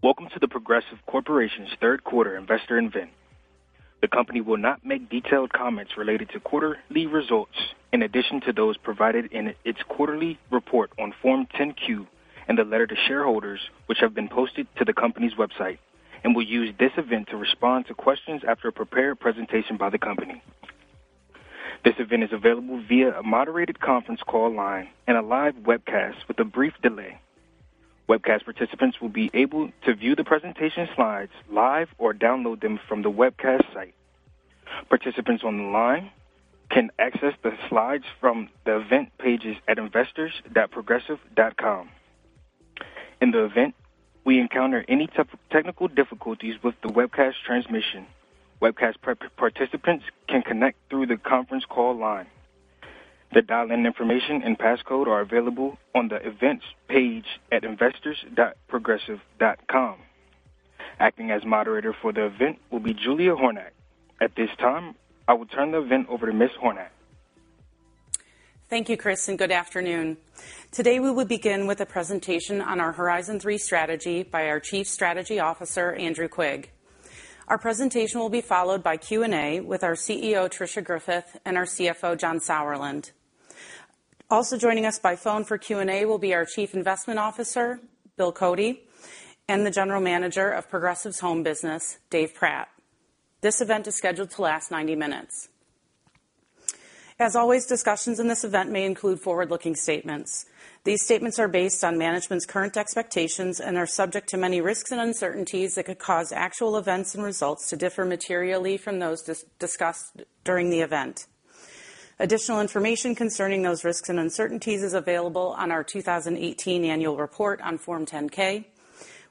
Welcome to The Progressive Corporation's third quarter investor event. The company will not make detailed comments related to quarterly results in addition to those provided in its quarterly report on Form 10-Q and the letter to shareholders, which have been posted to the company's website, and will use this event to respond to questions after a prepared presentation by the company. This event is available via a moderated conference call line and a live webcast with a brief delay. Webcast participants will be able to view the presentation slides live or download them from the webcast site. Participants online can access the slides from the event pages at investors.progressive.com. In the event we encounter any technical difficulties with the webcast transmission, webcast participants can connect through the conference call line. The dial-in information and passcode are available on the Events page at investors.progressive.com. Acting as moderator for the event will be Julia Hornack. At this time, I will turn the event over to Ms. Hornack. Thank you, Chris, good afternoon. Today we will begin with a presentation on our Horizon Three strategy by our Chief Strategy Officer, Andrew Quigg. Our presentation will be followed by Q&A with our CEO, Tricia Griffith, and our CFO, John Sauerland. Also joining us by phone for Q&A will be our Chief Investment Officer, William Cody, and the General Manager of Progressive's home business, Dave Pratt. This event is scheduled to last 90 minutes. As always, discussions in this event may include forward-looking statements. These statements are based on management's current expectations and are subject to many risks and uncertainties that could cause actual events and results to differ materially from those discussed during the event. Additional information concerning those risks and uncertainties is available on our 2018 Annual Report on Form 10-K,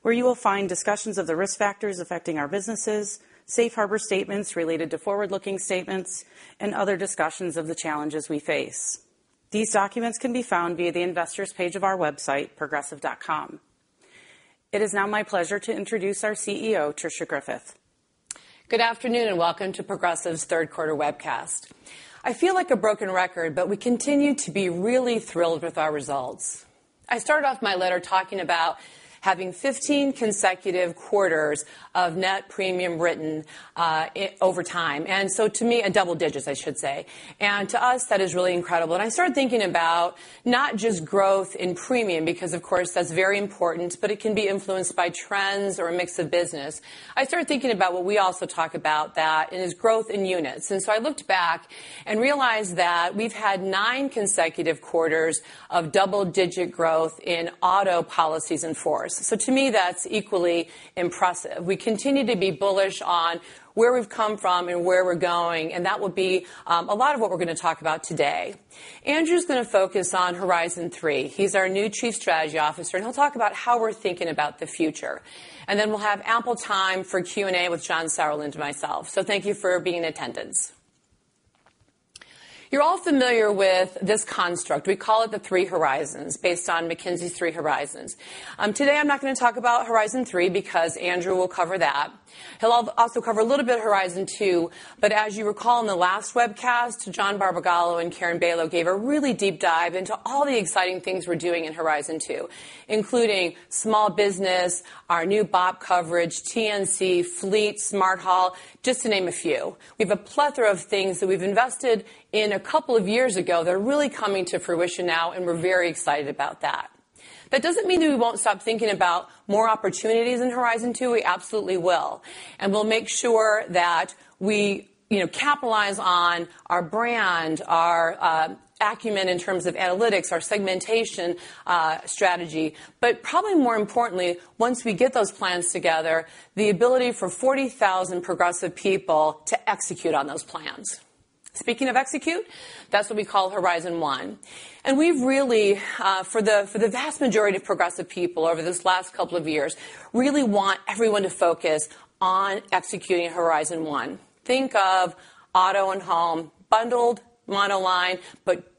where you will find discussions of the risk factors affecting our businesses, safe harbor statements related to forward-looking statements, and other discussions of the challenges we face. These documents can be found via the Investors page of our website, progressive.com. It is now my pleasure to introduce our CEO, Tricia Griffith. Good afternoon, welcome to Progressive's third quarter webcast. I feel like a broken record, but we continue to be really thrilled with our results. I started off my letter talking about having 15 consecutive quarters of net premium written over time. To me, a double digits I should say. To us, that is really incredible. I started thinking about not just growth in premium, because of course that's very important, but it can be influenced by trends or a mix of business. I started thinking about what we also talk about that it is growth in units. I looked back and realized that we've had nine consecutive quarters of double-digit growth in auto policies in force. To me, that's equally impressive. We continue to be bullish on where we've come from and where we're going, that will be a lot of what we're going to talk about today. Andrew's going to focus on Horizon Three. He's our new Chief Strategy Officer, he'll talk about how we're thinking about the future. We'll have ample time for Q&A with John Sauerland and myself. Thank you for being in attendance. You're all familiar with this construct. We call it the Three Horizons, based on McKinsey's Three Horizons. Today, I'm not going to talk about Horizon Three because Andrew will cover that. He'll also cover a little bit of Horizon Two, as you recall in the last webcast, John Barbagallo and Karen Bailo gave a really deep dive into all the exciting things we're doing in Horizon Two, including small business, our new BOP coverage, TNC, fleet, Smart Haul, just to name a few. We have a plethora of things that we've invested in a couple of years ago that are really coming to fruition now, we're very excited about that. That doesn't mean that we won't stop thinking about more opportunities in Horizon Two. We absolutely will, we'll make sure that we capitalize on our brand, our acumen in terms of analytics, our segmentation strategy, but probably more importantly, once we get those plans together, the ability for 40,000 Progressive people to execute on those plans. Speaking of execute, that's what we call Horizon One. We've really for the vast majority of Progressive people over this last couple of years, really want everyone to focus on executing Horizon One. Think of auto and home, bundled monoline,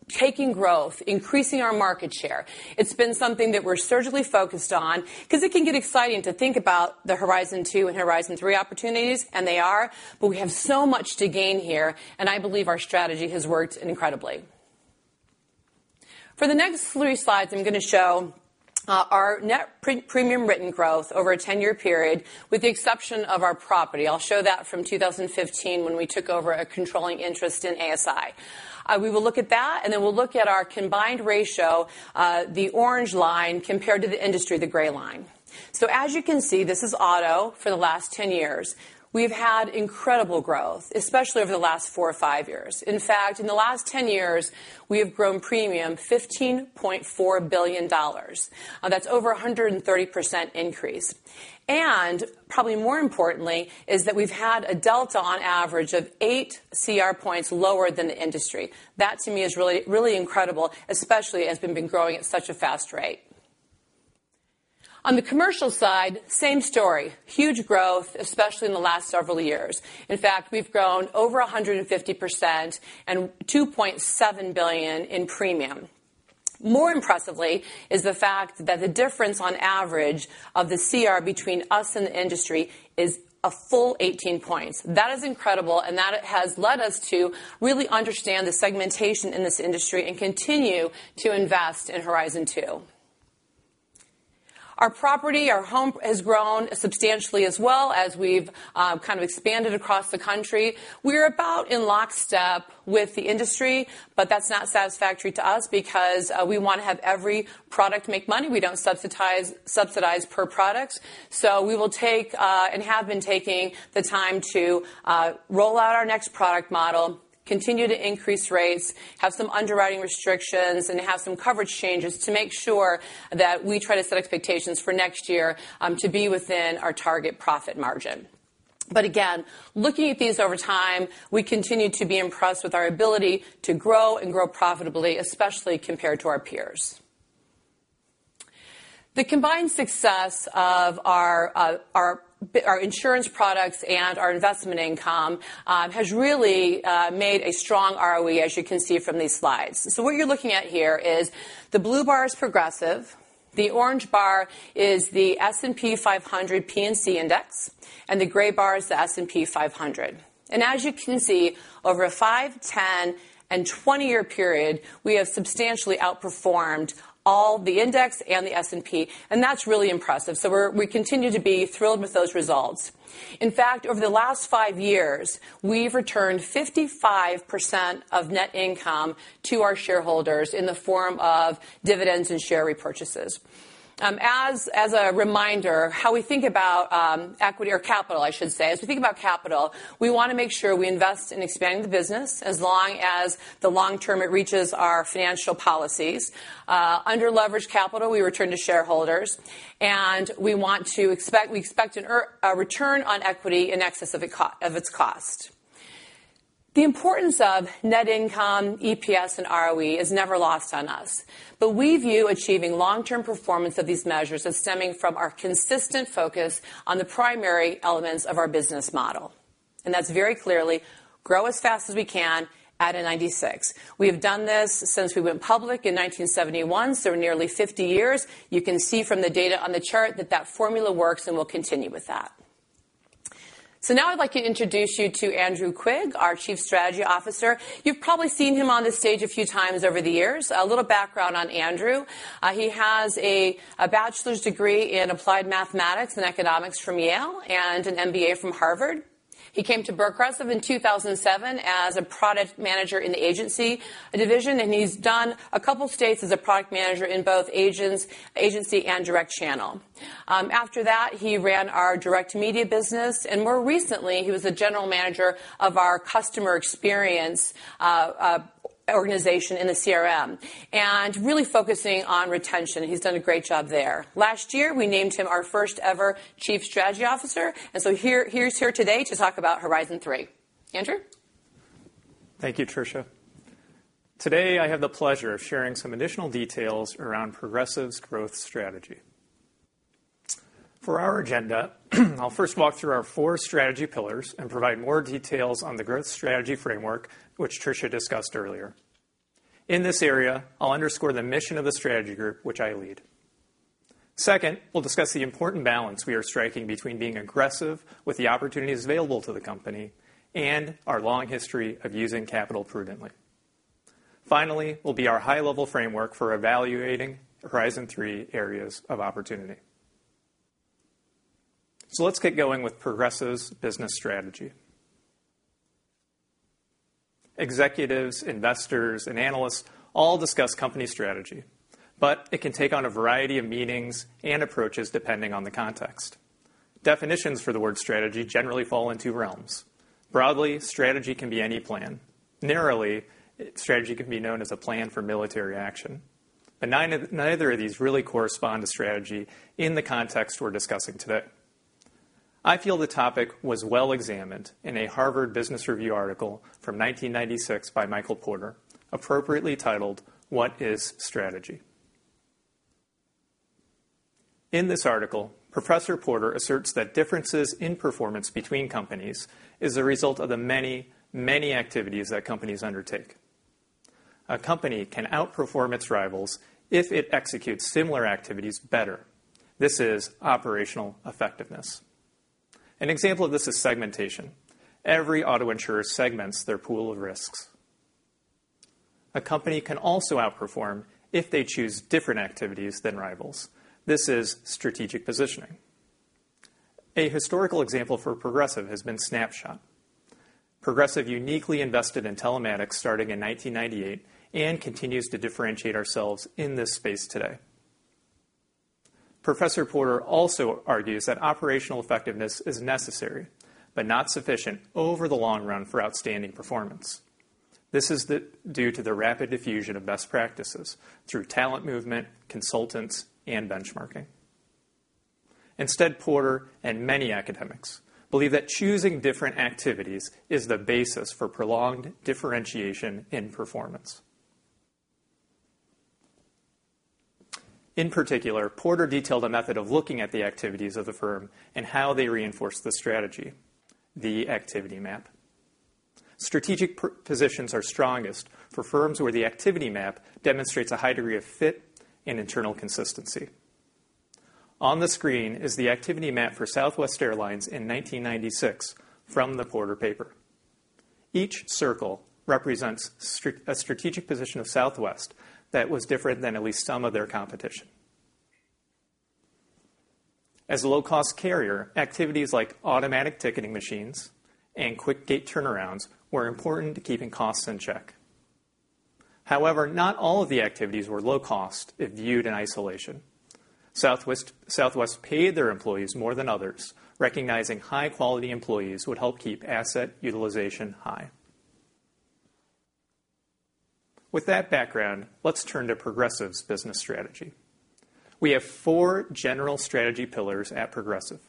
taking growth, increasing our market share. It's been something that we're surgically focused on because it can get exciting to think about the Horizon Two and Horizon Three opportunities, they are, but we have so much to gain here, I believe our strategy has worked incredibly. For the next three slides, I'm going to show our net premium written growth over a 10-year period, with the exception of our property. I'll show that from 2015 when we took over a controlling interest in ASI. We will look at that, we'll look at our combined ratio, the orange line, compared to the industry, the gray line. As you can see, this is auto for the last 10 years. We've had incredible growth, especially over the last four or five years. In fact, in the last 10 years, we have grown premium $15.4 billion. That's over 130% increase. Probably more importantly, is that we've had a delta on average of eight CR points lower than the industry. That to me is really incredible, especially as we've been growing at such a fast rate. On the commercial side, same story, huge growth, especially in the last several years. In fact, we've grown over 150% and $2.7 billion in premium. More impressively is the fact that the difference on average of the CR between us and the industry is a full 18 points. That is incredible, and that has led us to really understand the segmentation in this industry and continue to invest in Horizon Two. Our property, our home has grown substantially as well as we've kind of expanded across the country. We're about in lockstep with the industry, but that's not satisfactory to us because we want to have every product make money. We don't subsidize per product. We will take, and have been taking the time to roll out our next product model, continue to increase rates, have some underwriting restrictions, and have some coverage changes to make sure that we try to set expectations for next year to be within our target profit margin. Again, looking at these over time, we continue to be impressed with our ability to grow and grow profitably, especially compared to our peers. The combined success of our insurance products and our investment income has really made a strong ROE, as you can see from these slides. What you're looking at here is the blue bar is Progressive, the orange bar is the S&P 500 P&C index, and the gray bar is the S&P 500. As you can see, over a five, 10, and 20-year period, we have substantially outperformed all the index and the S&P, and that's really impressive. We continue to be thrilled with those results. In fact, over the last five years, we've returned 55% of net income to our shareholders in the form of dividends and share repurchases. As a reminder, how we think about equity or capital, I should say, as we think about capital, we want to make sure we invest in expanding the business, as long as the long term it reaches our financial policies. Under leveraged capital, we return to shareholders, and we expect a return on equity in excess of its cost. The importance of net income, EPS, and ROE is never lost on us, but we view achieving long-term performance of these measures as stemming from our consistent focus on the primary elements of our business model. That's very clearly grow as fast as we can at a 96. We have done this since we went public in 1971, so nearly 50 years. You can see from the data on the chart that that formula works, and we'll continue with that. Now I'd like to introduce you to Andrew Quigg, our Chief Strategy Officer. You've probably seen him on this stage a few times over the years. A little background on Andrew. He has a bachelor's degree in applied mathematics and economics from Yale and an MBA from Harvard. He came to Progressive in 2007 as a product manager in the agency division. He's done a couple of stints as a product manager in both agency and direct channel. More recently, he ran our direct media business. He was the general manager of our customer experience organization in the CRM, really focusing on retention. He's done a great job there. Last year, we named him our first ever Chief Strategy Officer. He's here today to talk about Horizon Three. Andrew? Thank you, Tricia. Today, I have the pleasure of sharing some additional details around Progressive's growth strategy. For our agenda, I'll first walk through our four strategy pillars and provide more details on the growth strategy framework, which Tricia discussed earlier. In this area, I'll underscore the mission of the Strategy Group, which I lead. Second, we'll discuss the important balance we are striking between being aggressive with the opportunities available to the company and our long history of using capital prudently. Finally, will be our high-level framework for evaluating Horizon Three areas of opportunity. Let's get going with Progressive's business strategy. Executives, investors, and analysts all discuss company strategy, but it can take on a variety of meanings and approaches depending on the context. Definitions for the word strategy generally fall in two realms. Broadly, strategy can be any plan. Narrowly, strategy can be known as a plan for military action. Neither of these really correspond to strategy in the context we're discussing today. I feel the topic was well examined in a Harvard Business Review article from 1996 by Michael Porter, appropriately titled "What is Strategy?" In this article, Professor Porter asserts that differences in performance between companies is a result of the many, many activities that companies undertake. A company can outperform its rivals if it executes similar activities better. This is operational effectiveness. An example of this is segmentation. Every auto insurer segments their pool of risks. A company can also outperform if they choose different activities than rivals. This is strategic positioning. A historical example for Progressive has been Snapshot. Progressive uniquely invested in telematics starting in 1998 and continues to differentiate ourselves in this space today. Professor Porter also argues that operational effectiveness is necessary but not sufficient over the long run for outstanding performance. This is due to the rapid diffusion of best practices through talent movement, consultants, and benchmarking. Instead, Porter and many academics believe that choosing different activities is the basis for prolonged differentiation in performance. In particular, Porter detailed a method of looking at the activities of the firm and how they reinforce the strategy, the activity map. Strategic positions are strongest for firms where the activity map demonstrates a high degree of fit and internal consistency. On the screen is the activity map for Southwest Airlines in 1996 from the Porter paper. Each circle represents a strategic position of Southwest that was different than at least some of their competition. As a low-cost carrier, activities like automatic ticketing machines and quick gate turnarounds were important to keeping costs in check. However, not all of the activities were low cost if viewed in isolation. Southwest Airlines paid their employees more than others, recognizing high-quality employees would help keep asset utilization high. With that background, let's turn to Progressive's business strategy. We have four general strategy pillars at Progressive.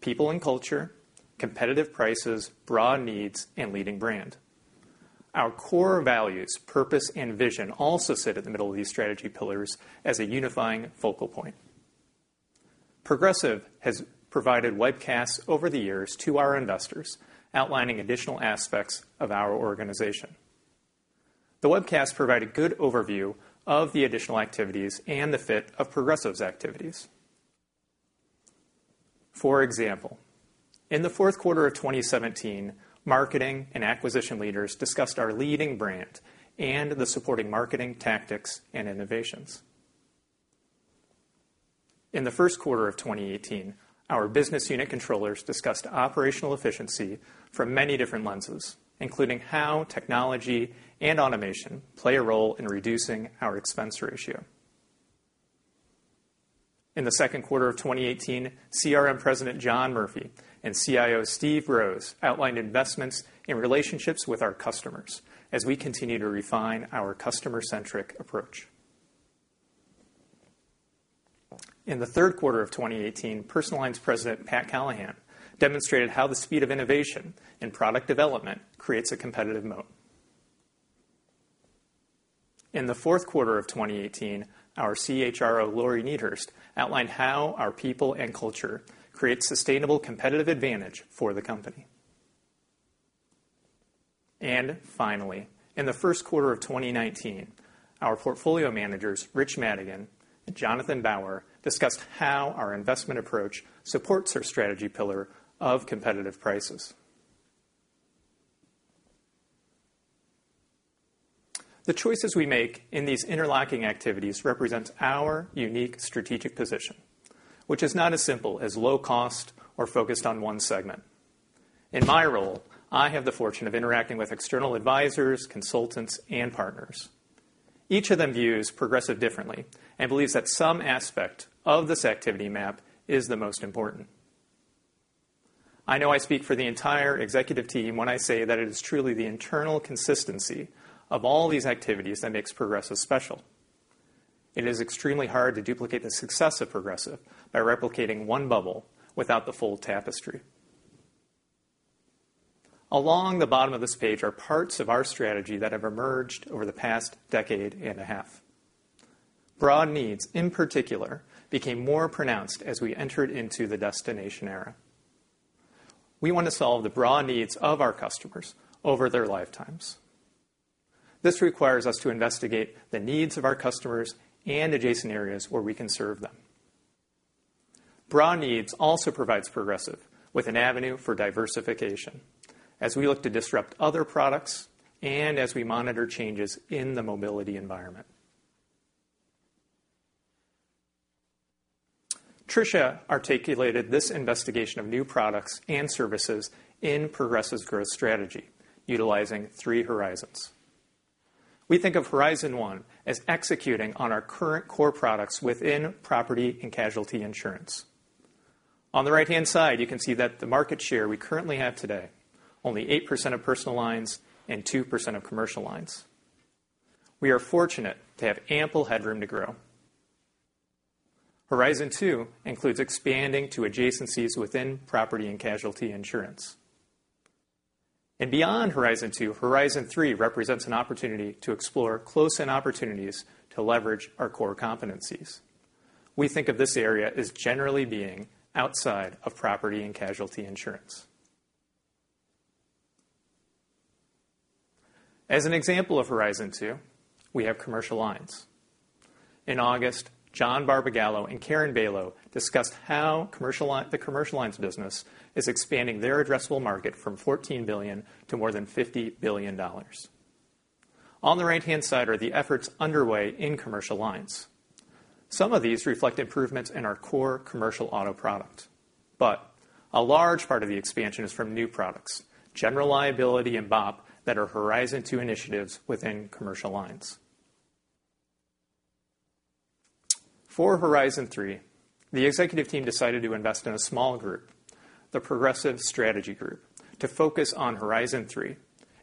People and culture, competitive prices, broad needs, and leading brand. Our core values, purpose, and vision also sit at the middle of these strategy pillars as a unifying focal point. Progressive has provided webcasts over the years to our investors, outlining additional aspects of our organization. The webcasts provide a good overview of the additional activities and the fit of Progressive's activities. For example, in the fourth quarter of 2017, marketing and acquisition leaders discussed our leading brand and the supporting marketing tactics and innovations. In the first quarter of 2018, our business unit controllers discussed operational efficiency from many different lenses, including how technology and automation play a role in reducing our expense ratio. In the second quarter of 2018, CRM President John Murphy and CIO Steve Broz outlined investments in relationships with our customers as we continue to refine our customer-centric approach. In the third quarter of 2018, Personal Lines President Pat Callahan demonstrated how the speed of innovation in product development creates a competitive moat. In the fourth quarter of 2018, our CHRO, Lori Niederst, outlined how our people and culture create sustainable competitive advantage for the company. Finally, in the first quarter of 2019, our portfolio managers, Rich Madigan and Jonathan Bauer, discussed how our investment approach supports our strategy pillar of competitive prices. The choices we make in these interlocking activities represents our unique strategic position, which is not as simple as low cost or focused on one segment. In my role, I have the fortune of interacting with external advisors, consultants, and partners. Each of them views Progressive differently and believes that some aspect of this activity map is the most important. I know I speak for the entire executive team when I say that it is truly the internal consistency of all these activities that makes Progressive special. It is extremely hard to duplicate the success of Progressive by replicating one bubble without the full tapestry. Along the bottom of this page are parts of our strategy that have emerged over the past decade and a half. Broad needs, in particular, became more pronounced as we entered into the destination era. We want to solve the broad needs of our customers over their lifetimes. This requires us to investigate the needs of our customers and adjacent areas where we can serve them. Broad needs also provides Progressive with an avenue for diversification as we look to disrupt other products and as we monitor changes in the mobility environment. Tricia articulated this investigation of new products and services in Progressive's growth strategy utilizing Three Horizons. We think of Horizon One as executing on our current core products within property and casualty insurance. On the right-hand side, you can see that the market share we currently have today, only 8% of personal lines and 2% of commercial lines. We are fortunate to have ample headroom to grow. Horizon Two includes expanding to adjacencies within property and casualty insurance. Beyond Horizon Two, Horizon Three represents an opportunity to explore close-in opportunities to leverage our core competencies. We think of this area as generally being outside of property and casualty insurance. As an example of Horizon Two, we have commercial lines. In August, John Barbagallo and Karen Bailo discussed how the commercial lines business is expanding their addressable market from $14 billion to more than $50 billion. On the right-hand side are the efforts underway in commercial lines. Some of these reflect improvements in our core commercial auto product, but a large part of the expansion is from new products, general liability and BOP, that are Horizon Two initiatives within commercial lines. For Horizon Three, the executive team decided to invest in a small group, the Progressive Strategy Group, to focus on Horizon Three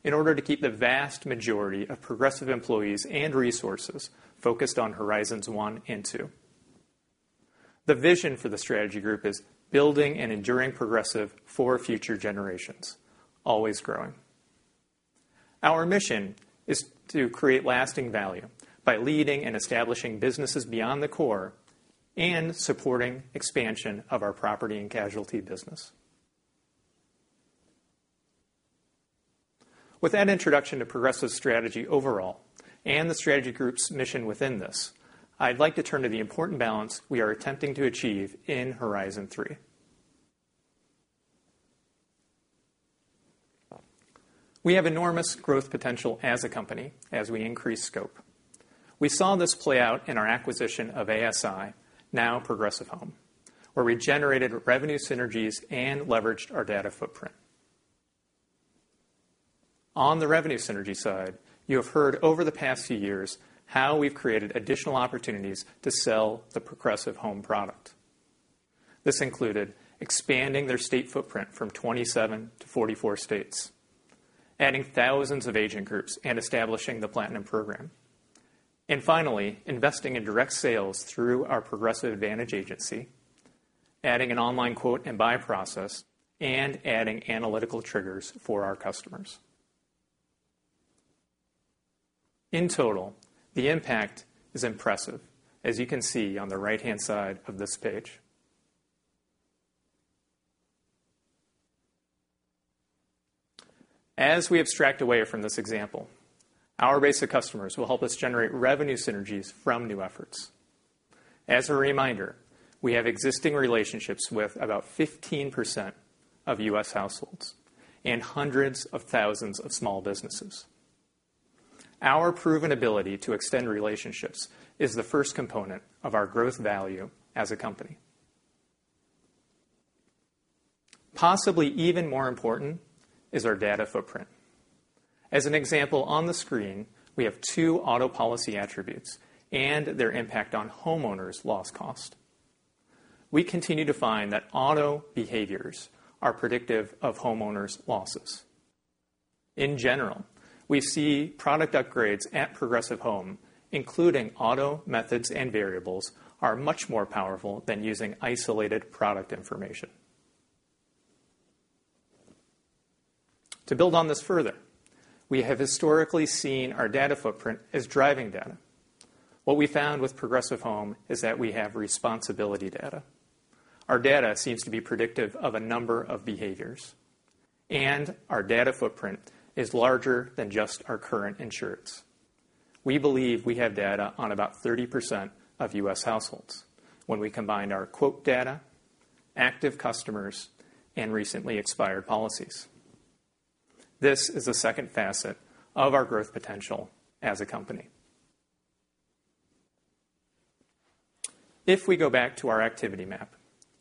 in order to keep the vast majority of Progressive employees and resources focused on Horizons One and Two. The vision for the strategy group is building an enduring Progressive for future generations, always growing. Our mission is to create lasting value by leading and establishing businesses beyond the core and supporting expansion of our property and casualty business. With that introduction to Progressive's strategy overall, the strategy group's mission within this, I'd like to turn to the important balance we are attempting to achieve in Horizon Three. We have enormous growth potential as a company, as we increase scope. We saw this play out in our acquisition of ASI, now Progressive Home, where we generated revenue synergies and leveraged our data footprint. On the revenue synergy side, you have heard over the past few years how we've created additional opportunities to sell the Progressive Home product. This included expanding their state footprint from 27 to 44 states, adding thousands of agent groups, and establishing the Platinum program. Finally, investing in direct sales through our Progressive Advantage Agency, adding an online quote and buy process, and adding analytical triggers for our customers. In total, the impact is impressive, as you can see on the right-hand side of this page. As we abstract away from this example, our base of customers will help us generate revenue synergies from new efforts. As a reminder, we have existing relationships with about 15% of U.S. households and hundreds of thousands of small businesses. Our proven ability to extend relationships is the first component of our growth value as a company. Possibly even more important is our data footprint. As an example on the screen, we have two auto policy attributes and their impact on homeowners' loss cost. We continue to find that auto behaviors are predictive of homeowners' losses. In general, we see product upgrades at Progressive Home, including auto methods and variables, are much more powerful than using isolated product information. To build on this further, we have historically seen our data footprint as driving data. What we found with Progressive Home is that we have responsibility data. Our data seems to be predictive of a number of behaviors, and our data footprint is larger than just our current insurance. We believe we have data on about 30% of U.S. households when we combined our quote data, active customers, and recently expired policies. This is the second facet of our growth potential as a company. If we go back to our activity map,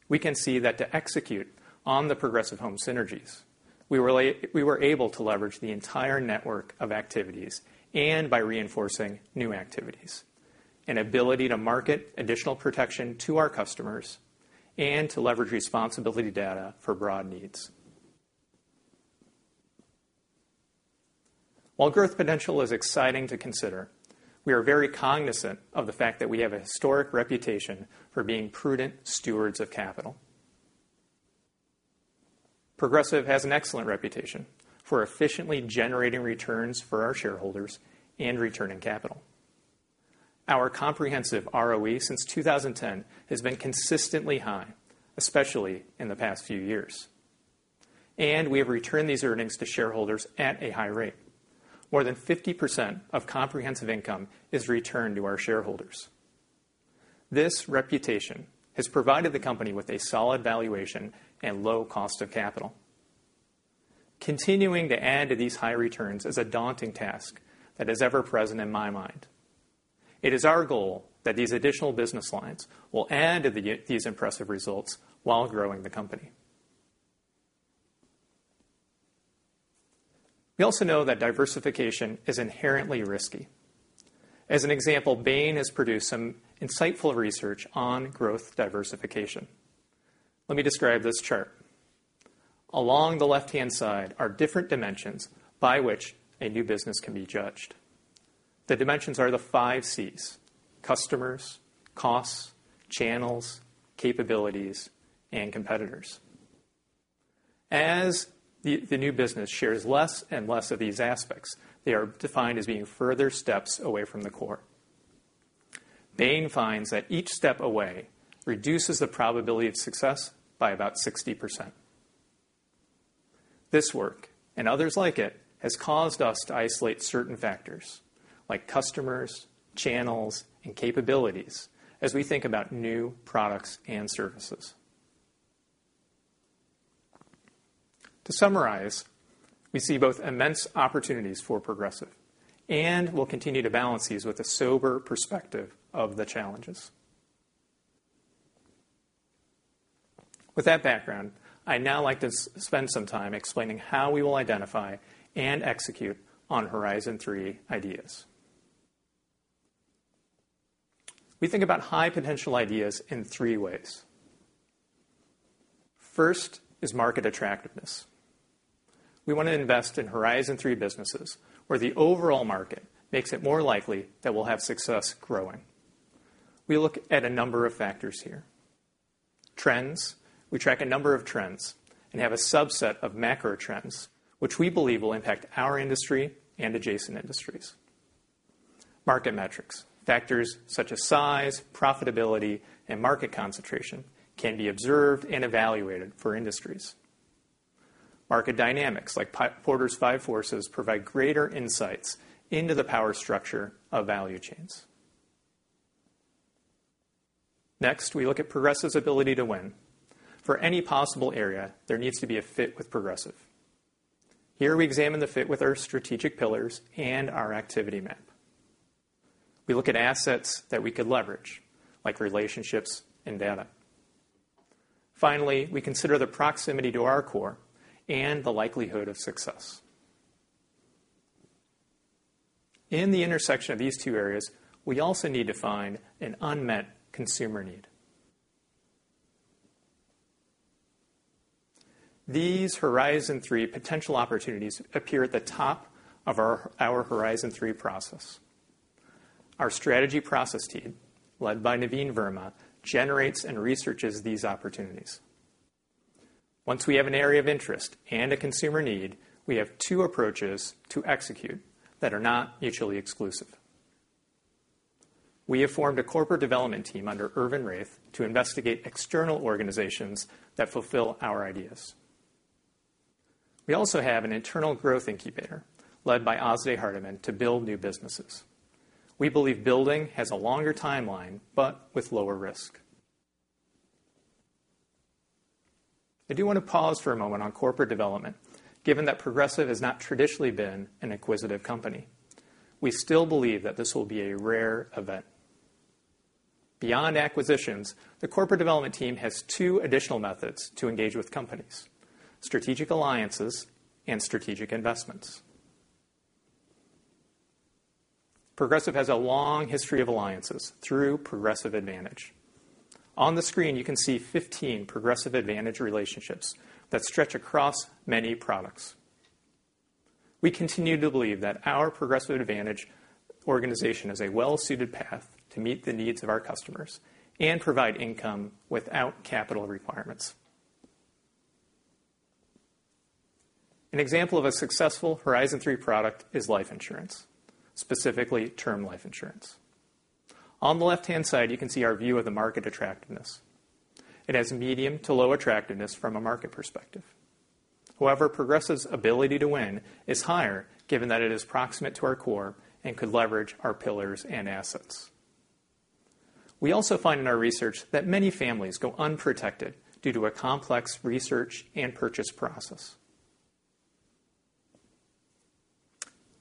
we can see that to execute on the Progressive Home synergies, we were able to leverage the entire network of activities and by reinforcing new activities. An ability to market additional protection to our customers and to leverage responsibility data for broad needs. While growth potential is exciting to consider, we are very cognizant of the fact that we have a historic reputation for being prudent stewards of capital. Progressive has an excellent reputation for efficiently generating returns for our shareholders and returning capital. Our comprehensive ROE since 2010 has been consistently high, especially in the past few years, and we have returned these earnings to shareholders at a high rate. More than 50% of comprehensive income is returned to our shareholders. This reputation has provided the company with a solid valuation and low cost of capital. Continuing to add to these high returns is a daunting task that is ever present in my mind. It is our goal that these additional business lines will add to these impressive results while growing the company. We also know that diversification is inherently risky. As an example, Bain has produced some insightful research on growth diversification. Let me describe this chart. Along the left-hand side are different dimensions by which a new business can be judged. The dimensions are the 5 Cs: customers, costs, channels, capabilities, and competitors. As the new business shares less and less of these aspects, they are defined as being further steps away from the core. Bain finds that each step away reduces the probability of success by about 60%. This work, and others like it, has caused us to isolate certain factors, like customers, channels, and capabilities, as we think about new products and services. To summarize, we see both immense opportunities for Progressive and will continue to balance these with a sober perspective of the challenges. With that background, I'd now like to spend some time explaining how we will identify and execute on Horizon Three ideas. We think about high potential ideas in three ways. First is market attractiveness. We want to invest in Horizon Three businesses, where the overall market makes it more likely that we'll have success growing. We look at a number of factors here. Trends, we track a number of trends and have a subset of macro trends which we believe will impact our industry and adjacent industries. Market metrics, factors such as size, profitability, and market concentration can be observed and evaluated for industries. Market dynamics like Porter's Five Forces provide greater insights into the power structure of value chains. Next, we look at Progressive's ability to win. For any possible area, there needs to be a fit with Progressive. Here we examine the fit with our strategic pillars and our activity map. We look at assets that we could leverage, like relationships and data. Finally, we consider the proximity to our core and the likelihood of success. In the intersection of these two areas, we also need to find an unmet consumer need. These Horizon Three potential opportunities appear at the top of our Horizon Three process. Our strategy process team, led by Naveen Verma, generates and researches these opportunities. Once we have an area of interest and a consumer need, we have two approaches to execute that are not mutually exclusive. We have formed a corporate development team under Irvin Raith to investigate external organizations that fulfill our ideas. We also have an internal growth incubator led by Ozde Hardeman to build new businesses. We believe building has a longer timeline, but with lower risk. I do want to pause for a moment on corporate development, given that Progressive has not traditionally been an acquisitive company. We still believe that this will be a rare event. Beyond acquisitions, the corporate development team has two additional methods to engage with companies, strategic alliances and strategic investments. Progressive has a long history of alliances through Progressive Advantage. On the screen, you can see 15 Progressive Advantage relationships that stretch across many products. We continue to believe that our Progressive Advantage organization is a well-suited path to meet the needs of our customers and provide income without capital requirements. An example of a successful Horizon Three product is life insurance, specifically term life insurance. On the left-hand side, you can see our view of the market attractiveness. It has medium to low attractiveness from a market perspective. However, Progressive's ability to win is higher given that it is proximate to our core and could leverage our pillars and assets. We also find in our research that many families go unprotected due to a complex research and purchase process.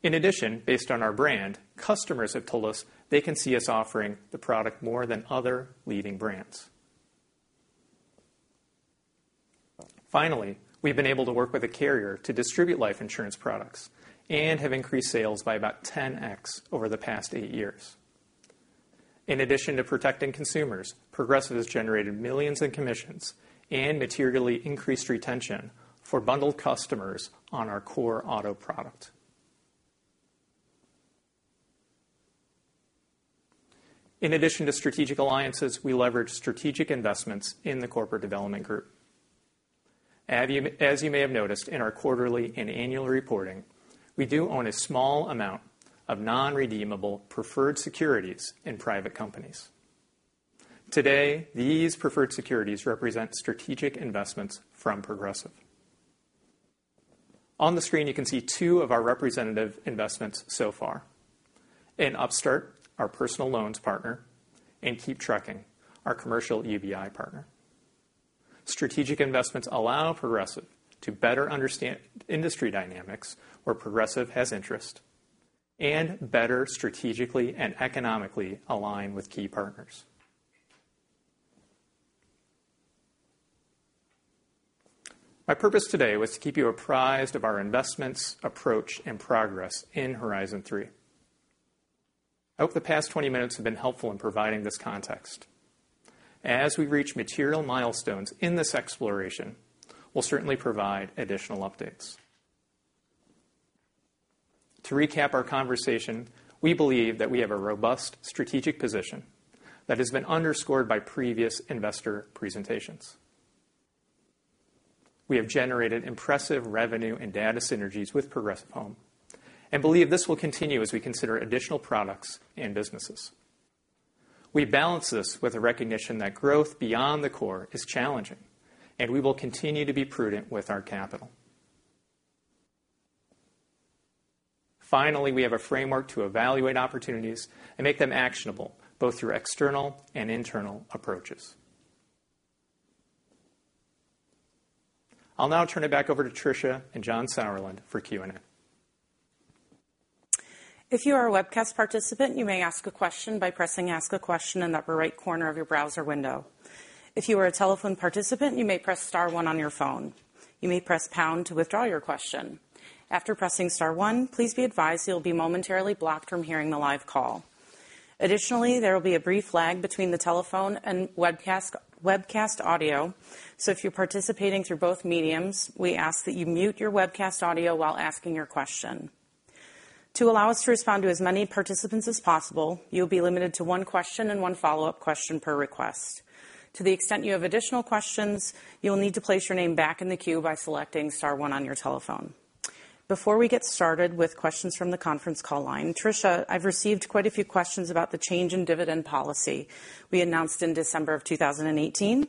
In addition, based on our brand, customers have told us they can see us offering the product more than other leading brands. Finally, we've been able to work with a carrier to distribute life insurance products and have increased sales by about 10x over the past eight years. In addition to protecting consumers, Progressive has generated millions in commissions and materially increased retention for bundled customers on our core auto product. In addition to strategic alliances, we leverage strategic investments in the corporate development group. As you may have noticed in our quarterly and annual reporting, we do own a small amount of non-redeemable preferred securities in private companies. Today, these preferred securities represent strategic investments from Progressive. On the screen, you can see two of our representative investments so far. In Upstart, our personal loans partner, and KeepTruckin, our commercial UBI partner. Strategic investments allow Progressive to better understand industry dynamics where Progressive has interest and better strategically and economically align with key partners. My purpose today was to keep you apprised of our investments, approach, and progress in Horizon Three. I hope the past 20 minutes have been helpful in providing this context. As we reach material milestones in this exploration, we'll certainly provide additional updates. To recap our conversation, we believe that we have a robust strategic position that has been underscored by previous investor presentations. We have generated impressive revenue and data synergies with Progressive Home, and believe this will continue as we consider additional products and businesses. We balance this with a recognition that growth beyond the core is challenging, and we will continue to be prudent with our capital. Finally, we have a framework to evaluate opportunities and make them actionable, both through external and internal approaches. I'll now turn it back over to Tricia and John Sauerland for Q&A. If you are a webcast participant, you may ask a question by pressing Ask a Question in the upper right corner of your browser window. If you are a telephone participant, you may press star one on your phone. You may press pound to withdraw your question. After pressing star one, please be advised you will be momentarily blocked from hearing the live call. Additionally, there will be a brief lag between the telephone and webcast audio. If you are participating through both mediums, we ask that you mute your webcast audio while asking your question. To allow us to respond to as many participants as possible, you will be limited to one question and one follow-up question per request. To the extent you have additional questions, you will need to place your name back in the queue by selecting star one on your telephone. Before we get started with questions from the conference call line, Tricia, I have received quite a few questions about the change in dividend policy we announced in December of 2018.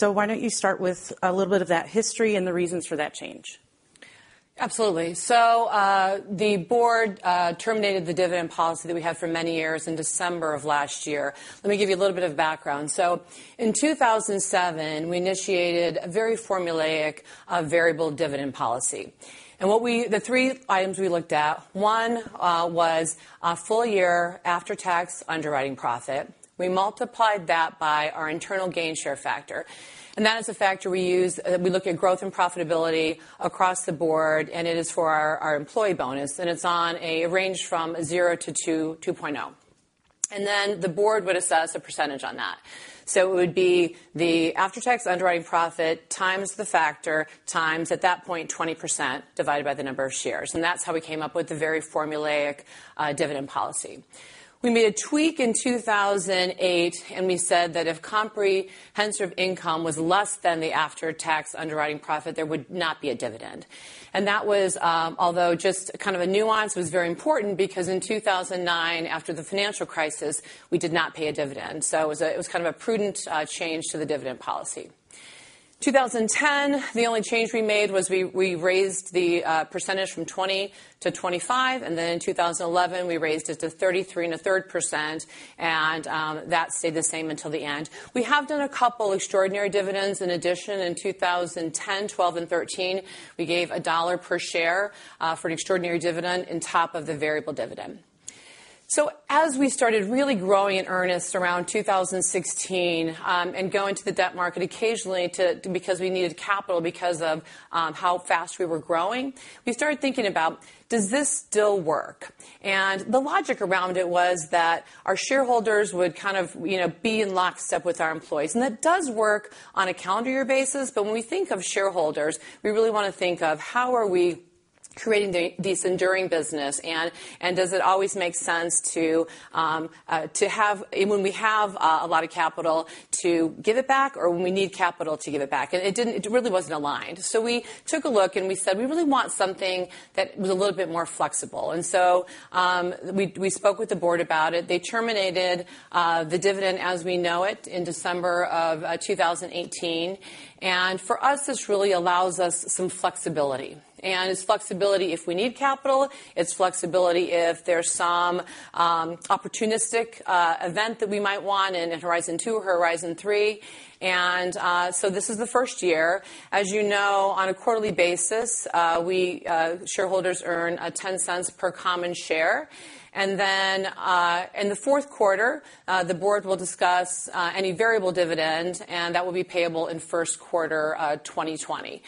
Why do not you start with a little bit of that history and the reasons for that change? Absolutely. The board terminated the dividend policy that we had for many years in December of last year. Let me give you a little bit of background. In 2007, we initiated a very formulaic variable dividend policy. The three items we looked at, one was full year after-tax underwriting profit. We multiplied that by our internal gain share factor. That is the factor we use, we look at growth and profitability across the board, and it is for our employee bonus, and it is on a range from zero to 2.0. Then the board would assess a percentage on that. It would be the after-tax underwriting profit times the factor times, at that point, 20% divided by the number of shares. That is how we came up with the very formulaic dividend policy. We made a tweak in 2008, we said that if comprehensive income was less than the after-tax underwriting profit, there would not be a dividend. That was, although just kind of a nuance, was very important because in 2009, after the financial crisis, we did not pay a dividend. It was kind of a prudent change to the dividend policy. 2010, the only change we made was we raised the percentage from 20 to 25, then in 2011, we raised it to 33.3%, that stayed the same until the end. We have done a couple extraordinary dividends in addition. In 2010, 2012, and 2013, we gave a $1 per share for an extraordinary dividend on top of the variable dividend. As we started really growing in earnest around 2016, going to the debt market occasionally because we needed capital because of how fast we were growing, we started thinking about, does this still work? The logic around it was that our shareholders would be in lockstep with our employees. That does work on a calendar year basis, when we think of shareholders, we really want to think of how are we creating this enduring business, does it always make sense when we have a lot of capital to give it back or when we need capital to give it back? It really wasn't aligned. We took a look and we said, "We really want something that was a little bit more flexible." We spoke with the board about it. They terminated the dividend as we know it in December of 2018. For us, this really allows us some flexibility. It's flexibility if we need capital, it's flexibility if there's some opportunistic event that we might want in Horizon Two or Horizon Three. This is the first year. As you know, on a quarterly basis, shareholders earn $0.10 per common share. In the fourth quarter, the board will discuss any variable dividend, and that will be payable in first quarter 2020.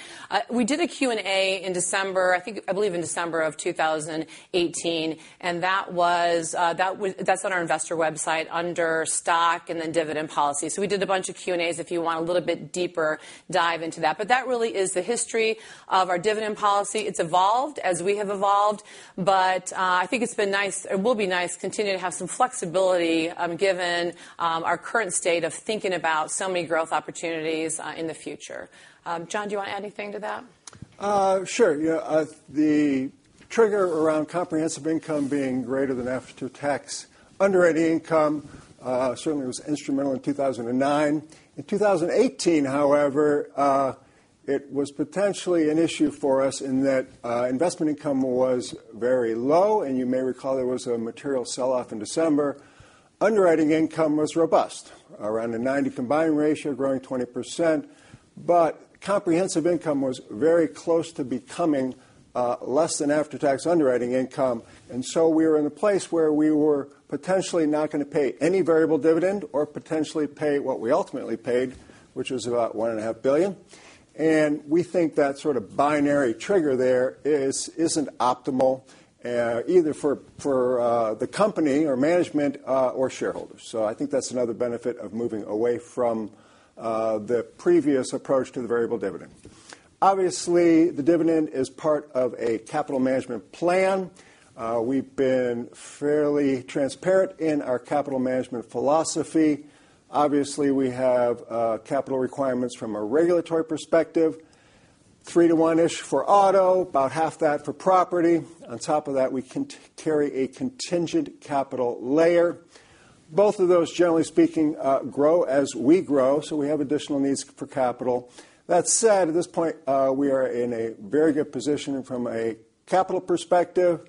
We did a Q&A in December, I believe in December of 2018, and that's on our investor website under stock and then dividend policy. We did a bunch of Q&As if you want a little bit deeper dive into that. That really is the history of our dividend policy. It's evolved as we have evolved, I think it will be nice continuing to have some flexibility given our current state of thinking about so many growth opportunities in the future. John, do you want to add anything to that? Sure. The trigger around comprehensive income being greater than after-tax underwriting income certainly was instrumental in 2009. In 2018, however, it was potentially an issue for us in that investment income was very low, and you may recall there was a material sell-off in December. Underwriting income was robust, around a 90 combined ratio, growing 20%, comprehensive income was very close to becoming less than after-tax underwriting income. We were in a place where we were potentially not going to pay any variable dividend or potentially pay what we ultimately paid, which was about one and a half billion dollars. We think that sort of binary trigger there isn't optimal, either for the company or management or shareholders. I think that's another benefit of moving away from the previous approach to the variable dividend. Obviously, the dividend is part of a capital management plan. We've been fairly transparent in our capital management philosophy. Obviously, we have capital requirements from a regulatory perspective, three to one-ish for auto, about half that for property. On top of that, we carry a contingent capital layer. Both of those, generally speaking, grow as we grow, so we have additional needs for capital. That said, at this point, we are in a very good position from a capital perspective,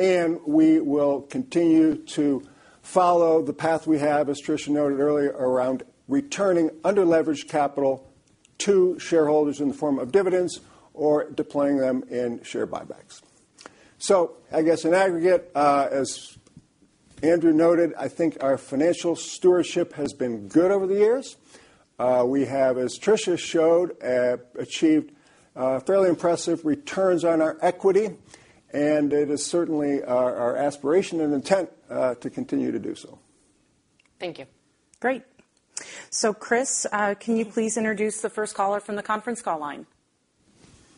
and we will continue to follow the path we have, as Tricia noted earlier, around returning under-leveraged capital to shareholders in the form of dividends or deploying them in share buybacks. I guess in aggregate, as Andrew noted, I think our financial stewardship has been good over the years. We have, as Tricia showed, achieved fairly impressive returns on our equity, and it is certainly our aspiration and intent to continue to do so. Thank you. Great. Chris, can you please introduce the first caller from the conference call line?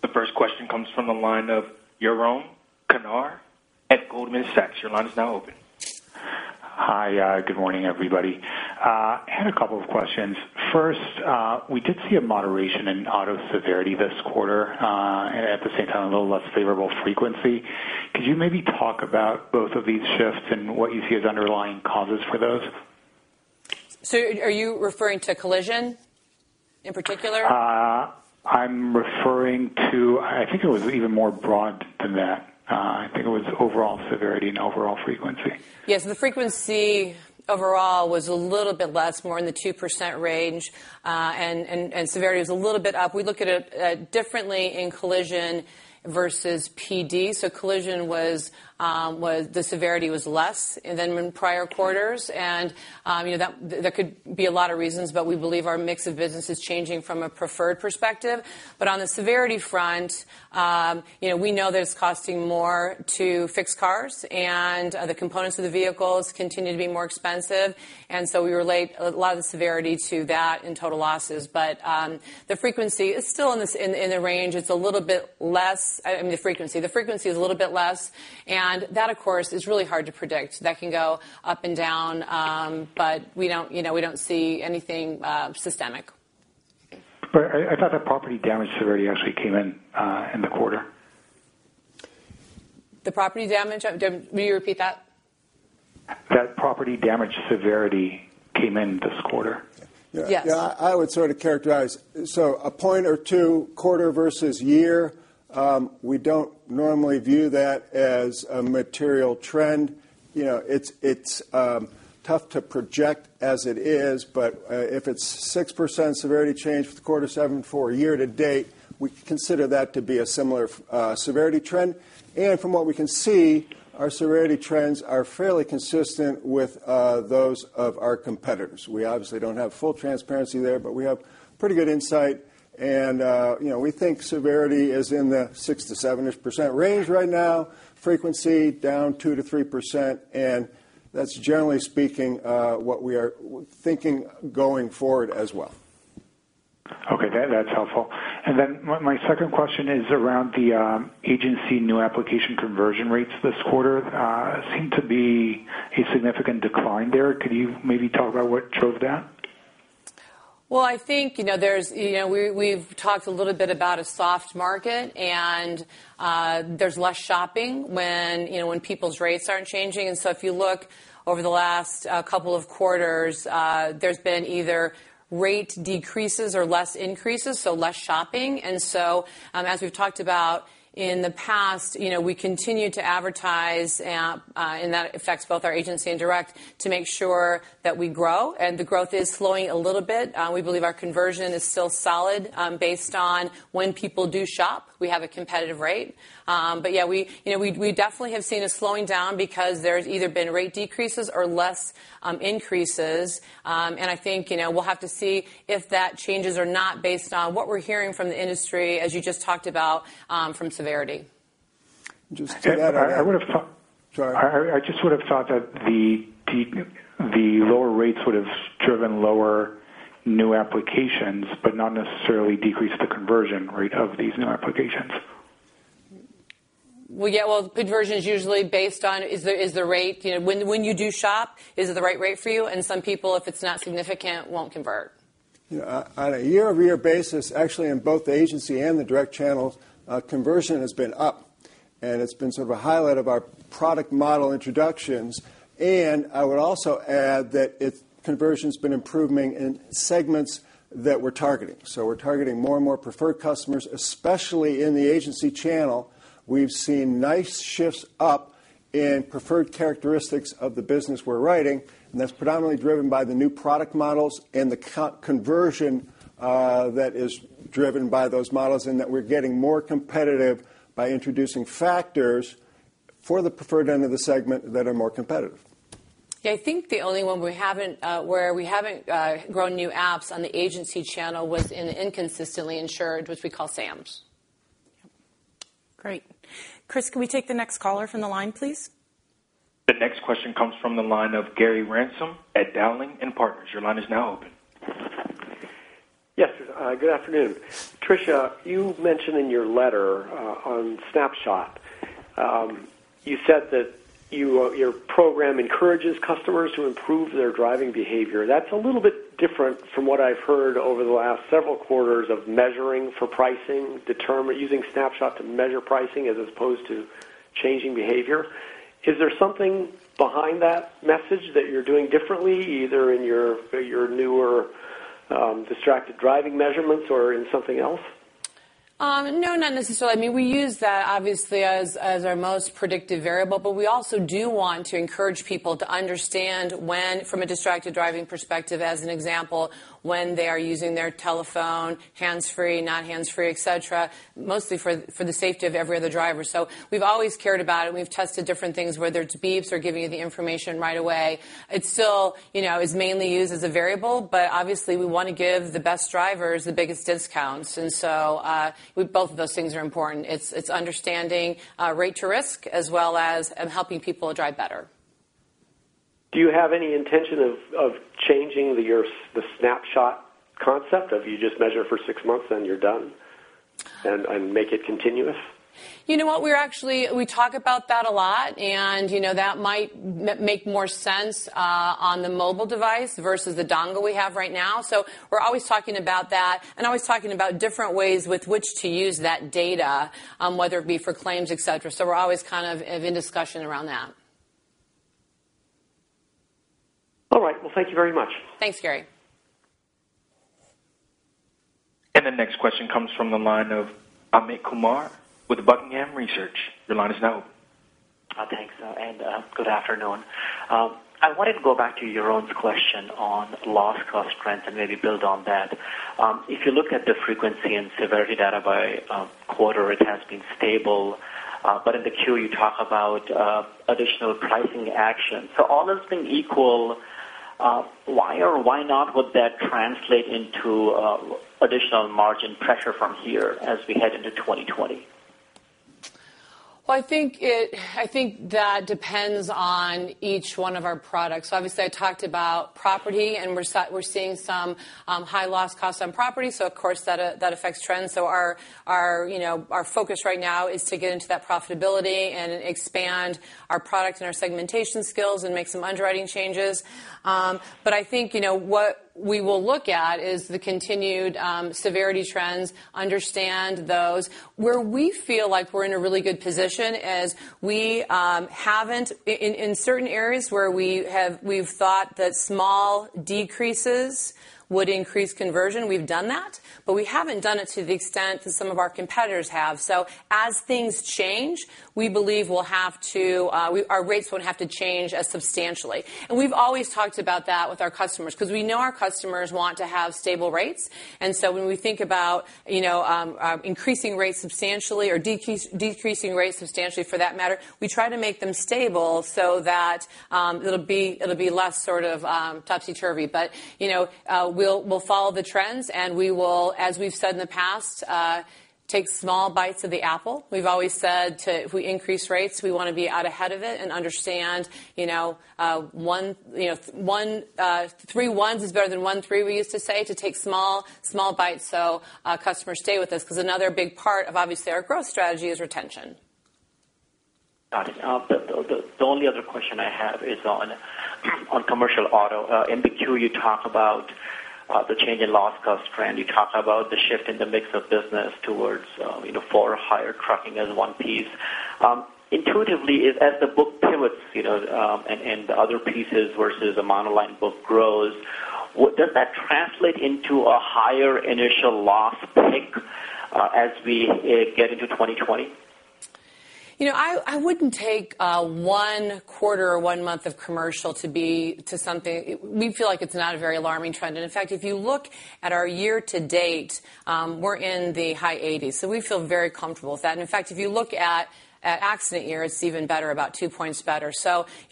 The first question comes from the line of Yaron Kinar at Goldman Sachs. Your line is now open. Hi. Good morning, everybody. I had a couple of questions. First, we did see a moderation in auto severity this quarter, at the same time, a little less favorable frequency. Could you maybe talk about both of these shifts and what you see as underlying causes for those? Are you referring to collision in particular? I'm referring to, I think it was even more broad than that. I think it was overall severity and overall frequency. Yes, the frequency overall was a little bit less, more in the 2% range, and severity was a little bit up. We look at it differently in collision versus PD. Collision, the severity was less than in prior quarters. There could be a lot of reasons, but we believe our mix of business is changing from a preferred perspective. On the severity front, we know that it's costing more to fix cars, and the components of the vehicles continue to be more expensive, and so we relate a lot of the severity to that in total losses. The frequency is still in the range. It's a little bit less. The frequency is a little bit less, and that, of course, is really hard to predict. That can go up and down, but we don't see anything systemic. I thought that property damage severity actually came in in the quarter. The property damage? Will you repeat that? That property damage severity came in this quarter? Yes. Yeah. I would sort of characterize, a point or two quarter versus year, we don't normally view that as a material trend. It's tough to project as it is, but if it's 6% severity change for the quarter, 7% for a year to date, we consider that to be a similar severity trend. From what we can see, our severity trends are fairly consistent with those of our competitors. We obviously don't have full transparency there, but we have pretty good insight, and we think severity is in the six to seven-ish percent range right now, frequency down 2%-3%, That's generally speaking what we are thinking going forward as well. Okay. That's helpful. My second question is around the agency new application conversion rates this quarter seem to be a significant decline there. Could you maybe talk about what drove that? Well, I think we've talked a little bit about a soft market, there's less shopping when people's rates aren't changing. If you look over the last couple of quarters, there's been either rate decreases or less increases, so less shopping. As we've talked about in the past, we continue to advertise, and that affects both our agency and direct, to make sure that we grow, and the growth is slowing a little bit. We believe our conversion is still solid. Based on when people do shop, we have a competitive rate. Yeah, we definitely have seen a slowing down because there's either been rate decreases or less increases. I think we'll have to see if that changes or not based on what we're hearing from the industry, as you just talked about, from severity. Just to add on that. I would have thought. Sorry. I just would've thought that the lower rates would've driven lower new applications not necessarily decreased the conversion rate of these new applications. Well, yeah. Well, conversion is usually based on is the rate. When you do shop, is it the right rate for you? Some people, if it's not significant, won't convert. On a year-over-year basis, actually in both the agency and the direct channels, conversion has been up, it's been sort of a highlight of our product model introductions. I would also add that conversion's been improving in segments that we're targeting. We're targeting more and more preferred customers, especially in the agency channel. We've seen nice shifts up in preferred characteristics of the business we're writing, that's predominantly driven by the new product models the conversion that is driven by those models in that we're getting more competitive by introducing factors for the preferred end of the segment that are more competitive. Yeah, I think the only one where we haven't grown new apps on the agency channel was in inconsistently insured, which we call SAMs. Great. Chris, can we take the next caller from the line, please? The next question comes from the line of Gary Ransom at Dowling & Partners. Your line is now open. Yes. Good afternoon. Tricia, you mentioned in your letter on Snapshot, you said that your program encourages customers to improve their driving behavior. That's a little bit different from what I've heard over the last several quarters of measuring for pricing, using Snapshot to measure pricing as opposed to changing behavior. Is there something behind that message that you're doing differently, either in your newer distracted driving measurements or in something else? No, not necessarily. I mean, we use that obviously as our most predictive variable, but we also do want to encourage people to understand when, from a distracted driving perspective as an example, when they are using their telephone hands-free, not hands-free, et cetera, mostly for the safety of every other driver. We've always cared about it, and we've tested different things, whether it's beeps or giving you the information right away. It still is mainly used as a variable, but obviously, we want to give the best drivers the biggest discounts. Both of those things are important. It's understanding rate to risk as well as helping people drive better. Do you have any intention of changing the Snapshot concept of you just measure for six months, then you're done? Make it continuous? You know what? We talk about that a lot, and that might make more sense on the mobile device versus the dongle we have right now. We're always talking about that and always talking about different ways with which to use that data whether it be for claims, et cetera. We're always in discussion around that. All right. Well, thank you very much. Thanks, Gary. The next question comes from the line of Amit Kumar with Buckingham Research. Your line is now open. Thanks. Good afternoon. I wanted to go back to Yaron question on loss cost trends and maybe build on that. If you look at the frequency and severity data by quarter, it has been stable. In the Q you talk about additional pricing action. All else being equal, why or why not would that translate into additional margin pressure from here as we head into 2020? Well, I think that depends on each one of our products. Obviously, I talked about property, and we're seeing some high loss costs on property, so of course, that affects trends. Our focus right now is to get into that profitability and expand our product and our segmentation skills and make some underwriting changes. I think what we will look at is the continued severity trends, understand those. Where we feel like we're in a really good position is we haven't, in certain areas where we've thought that small decreases would increase conversion, we've done that, but we haven't done it to the extent that some of our competitors have. As things change, we believe our rates won't have to change as substantially. We've always talked about that with our customers because we know our customers want to have stable rates. When we think about increasing rates substantially or decreasing rates substantially for that matter, we try to make them stable so that it'll be less sort of topsy-turvy. We'll follow the trends, and we will, as we've said in the past, take small bites of the apple. We've always said if we increase rates, we want to be out ahead of it and understand three ones is better than one three, we used to say, to take small bites so customers stay with us because another big part of obviously our growth strategy is retention. Got it. The only other question I have is on commercial auto. In the Form 10-Q, you talk about the change in loss cost trend. You talk about the shift in the mix of business towards for-hire trucking as one piece. Intuitively, as the book pivots and the other pieces versus the monoline book grows, does that translate into a higher initial loss pick as we get into 2020? I wouldn't take one quarter or one month of commercial to something. We feel like it's not a very alarming trend. In fact, if you look at our year-to-date, we're in the high 80s. We feel very comfortable with that. In fact, if you look at accident year, it's even better, about two points better.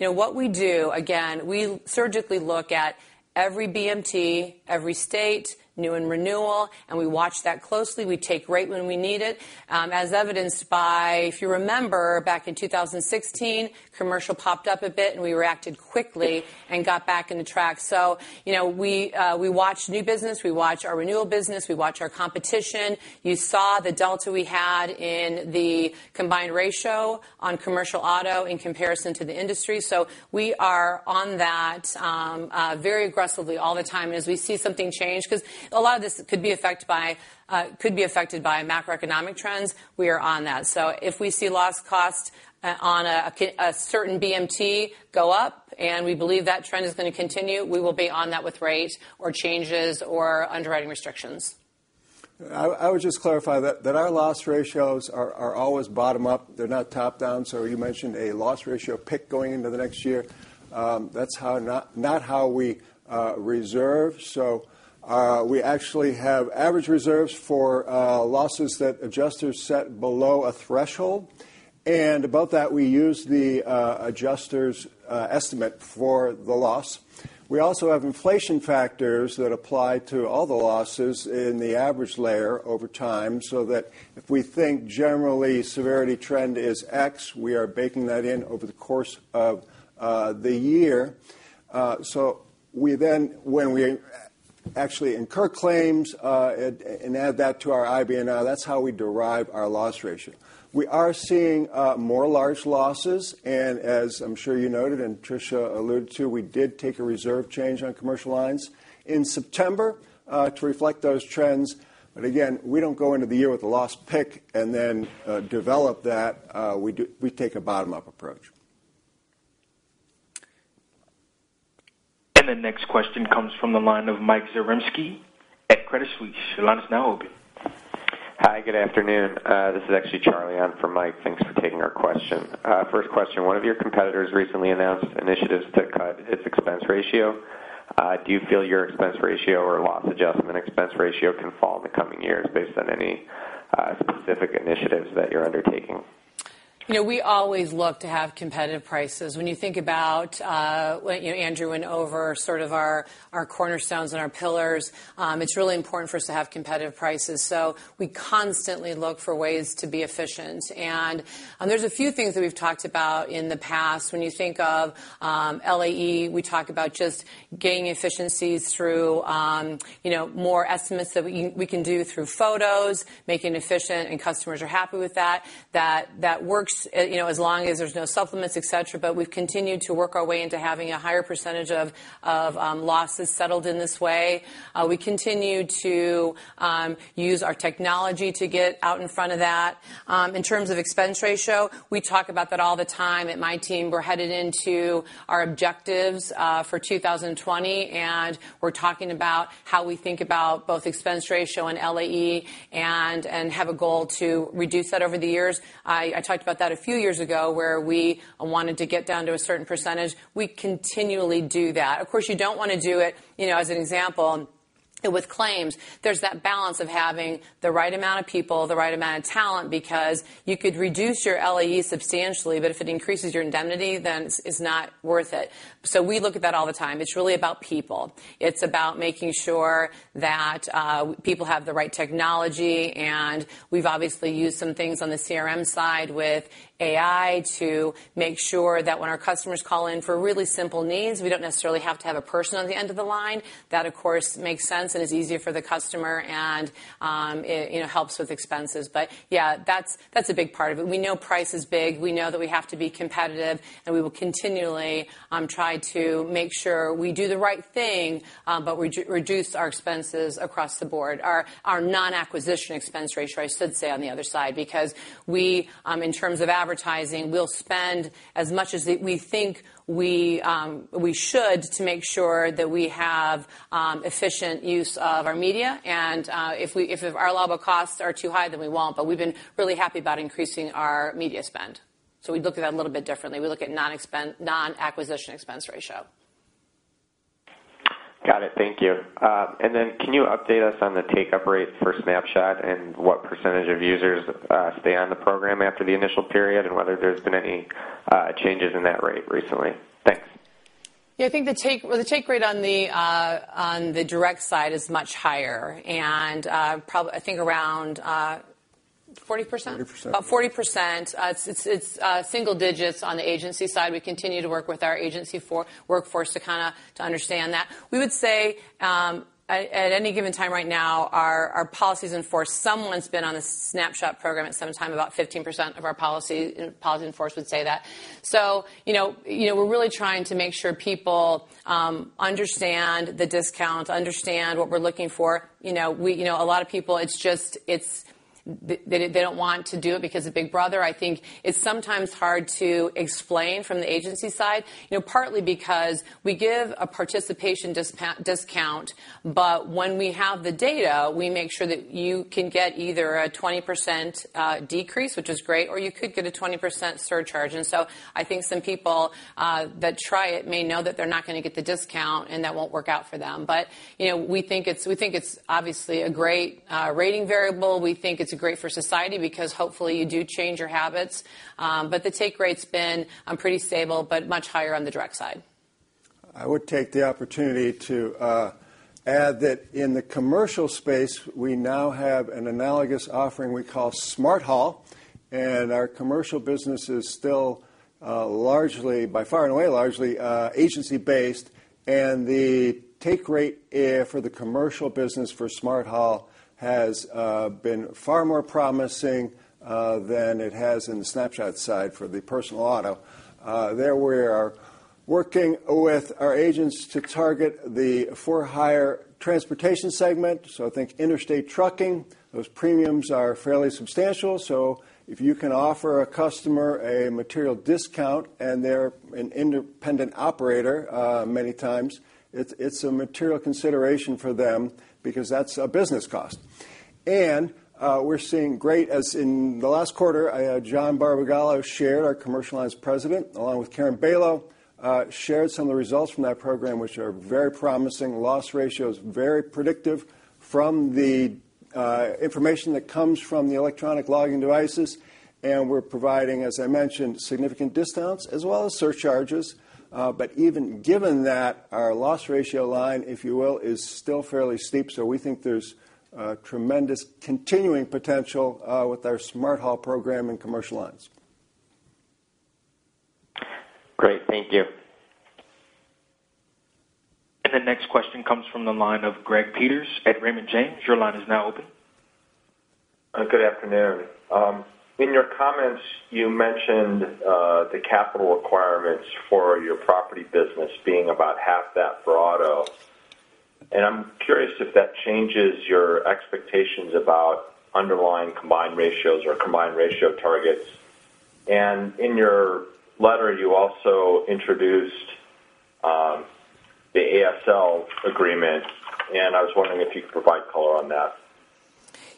What we do, again, we surgically look at every BMT, every state, new and renewal, and we watch that closely. We take rate when we need it, as evidenced by, if you remember back in 2016, commercial popped up a bit, and we reacted quickly and got back into track. We watch new business. We watch our renewal business. We watch our competition. You saw the delta we had in the combined ratio on commercial auto in comparison to the industry. We are on that very aggressively all the time. As we see something change, because a lot of this could be affected by macroeconomic trends, we are on that. If we see loss cost on a certain BMT go up and we believe that trend is going to continue, we will be on that with rate or changes or underwriting restrictions. I would just clarify that our loss ratios are always bottom up. They're not top down. You mentioned a loss ratio pick going into the next year. That's not how we reserve. We actually have average reserves for losses that adjusters set below a threshold. Above that, we use the adjuster's estimate for the loss. We also have inflation factors that apply to all the losses in the average layer over time, so that if we think generally severity trend is X, we are baking that in over the course of the year. We then, when we actually incur claims and add that to our IBNR, that's how we derive our loss ratio. We are seeing more large losses, and as I'm sure you noted and Tricia alluded to, we did take a reserve change on commercial lines in September to reflect those trends. Again, we don't go into the year with a loss pick and then develop that. We take a bottom-up approach. The next question comes from the line of Mike Zaremski at Credit Suisse. Your line is now open. Hi, good afternoon. This is actually Charlie on for Mike. Thanks for taking our question. First question, one of your competitors recently announced initiatives to cut its expense ratio. Do you feel your expense ratio or loss adjustment expense ratio can fall in the coming years based on any specific initiatives that you're undertaking? We always look to have competitive prices. When you think about what Andrew went over, our cornerstones and our pillars, it's really important for us to have competitive prices. We constantly look for ways to be efficient. There's a few things that we've talked about in the past. When you think of LAE, we talk about just gaining efficiencies through more estimates that we can do through photos, making efficient, and customers are happy with that. That works as long as there's no supplements, et cetera. We've continued to work our way into having a higher percentage of losses settled in this way. We continue to use our technology to get out in front of that. In terms of expense ratio, we talk about that all the time at my team. We're headed into our objectives for 2020, we're talking about how we think about both expense ratio and LAE and have a goal to reduce that over the years. I talked about that a few years ago, where we wanted to get down to a certain percentage. We continually do that. Of course, you don't want to do it, as an example, with claims. There's that balance of having the right amount of people, the right amount of talent, because you could reduce your LAE substantially, but if it increases your indemnity, then it's not worth it. We look at that all the time. It's really about people. It's about making sure that people have the right technology, we've obviously used some things on the CRM side with AI to make sure that when our customers call in for really simple needs, we don't necessarily have to have a person on the end of the line. That, of course, makes sense and is easier for the customer, and it helps with expenses. Yeah, that's a big part of it. We know price is big. We know that we have to be competitive, we will continually try to make sure we do the right thing, reduce our expenses across the board. Our non-acquisition expense ratio, I should say on the other side, because we, in terms of advertising, will spend as much as we think we should to make sure that we have efficient use of our media, if our level of costs are too high, then we won't. We've been really happy about increasing our media spend. We look at that a little bit differently. We look at non-acquisition expense ratio. Got it. Thank you. Can you update us on the take-up rate for Snapshot and what % of users stay on the program after the initial period, and whether there's been any changes in that rate recently? Thanks. Yeah, I think the take rate on the direct side is much higher, around 40%? 40%. About 40%. It's single digits on the agency side. We continue to work with our agency workforce to understand that. We would say, at any given time right now, our policies in force, someone's been on a Snapshot program at some time, about 15% of our policy in force would say that. We're really trying to make sure people understand the discount, understand what we're looking for. A lot of people, they don't want to do it because of Big Brother. I think it's sometimes hard to explain from the agency side, partly because we give a participation discount, but when we have the data, we make sure that you can get either a 20% decrease, which is great, or you could get a 20% surcharge. I think some people that try it may know that they're not going to get the discount, and that won't work out for them. We think it's obviously a great rating variable. We think it's great for society because hopefully you do change your habits. The take rate's been pretty stable, much higher on the direct side. I would take the opportunity to add that in the commercial space, we now have an analogous offering we call Smart Haul. Our commercial business is still largely, by far and away, largely agency based. The take rate for the commercial business for Smart Haul has been far more promising than it has in the Snapshot side for the personal auto. There, we are working with our agents to target the for-hire transportation segment. Think interstate trucking. Those premiums are fairly substantial, so if you can offer a customer a material discount and they're an independent operator, many times it's a material consideration for them because that's a business cost. We're seeing great, as in the last quarter, John Barbagallo shared, our commercial lines president, along with Karen Bailo, shared some of the results from that program, which are very promising. Loss ratio is very predictive from the information that comes from the electronic logging devices. We're providing, as I mentioned, significant discounts as well as surcharges. Even given that, our loss ratio line, if you will, is still fairly steep. We think there's tremendous continuing potential with our Smart Haul program and commercial lines. Great. Thank you. The next question comes from the line of Greg Peters at Raymond James. Your line is now open. Good afternoon. In your comments, you mentioned the capital requirements for your property business being about half that for auto. I'm curious if that changes your expectations about underlying combined ratios or combined ratio targets. In your letter, you also introduced the ASL agreement, and I was wondering if you could provide color on that.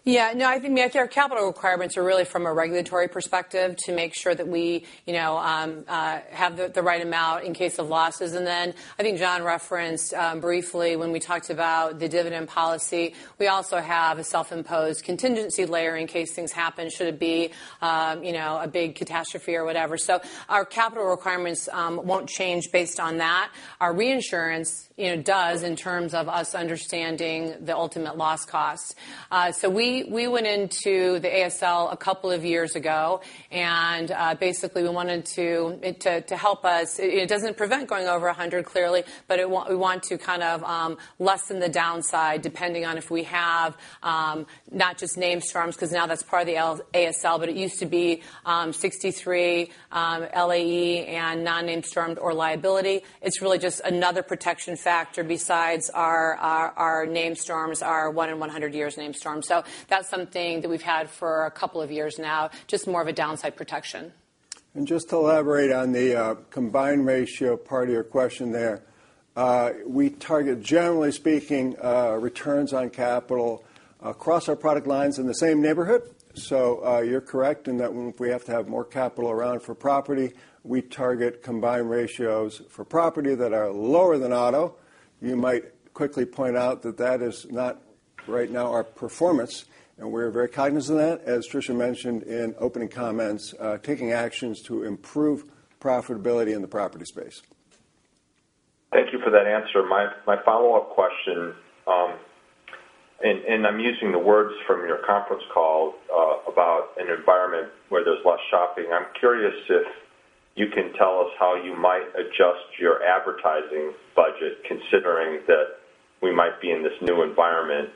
Yeah. No, I think our capital requirements are really from a regulatory perspective to make sure that we have the right amount in case of losses. Then I think John referenced briefly when we talked about the dividend policy, we also have a self-imposed contingency layer in case things happen, should it be a big catastrophe or whatever. Our capital requirements won't change based on that. Our reinsurance does in terms of us understanding the ultimate loss cost. We went into the ASL a couple of years ago, and basically we wanted it to help us. It doesn't prevent going over 100, clearly, but we want to kind of lessen the downside depending on if we have not just named storms, because now that's part of the ASL, but it used to be 63 LAE and non-named storms or liability. It's really just another protection factor besides our one in 100 years named storm. That's something that we've had for a couple of years now, just more of a downside protection. Just to elaborate on the combined ratio part of your question there. We target, generally speaking, returns on capital across our product lines in the same neighborhood. You're correct in that if we have to have more capital around for property, we target combined ratios for property that are lower than auto. You might quickly point out that that is not right now our performance, and we're very cognizant of that, as Tricia mentioned in opening comments, taking actions to improve profitability in the property space. Thank you for that answer. My follow-up question, I'm using the words from your conference call about an environment where there's less shopping. I'm curious if you can tell us how you might adjust your advertising budget, considering that we might be in this new environment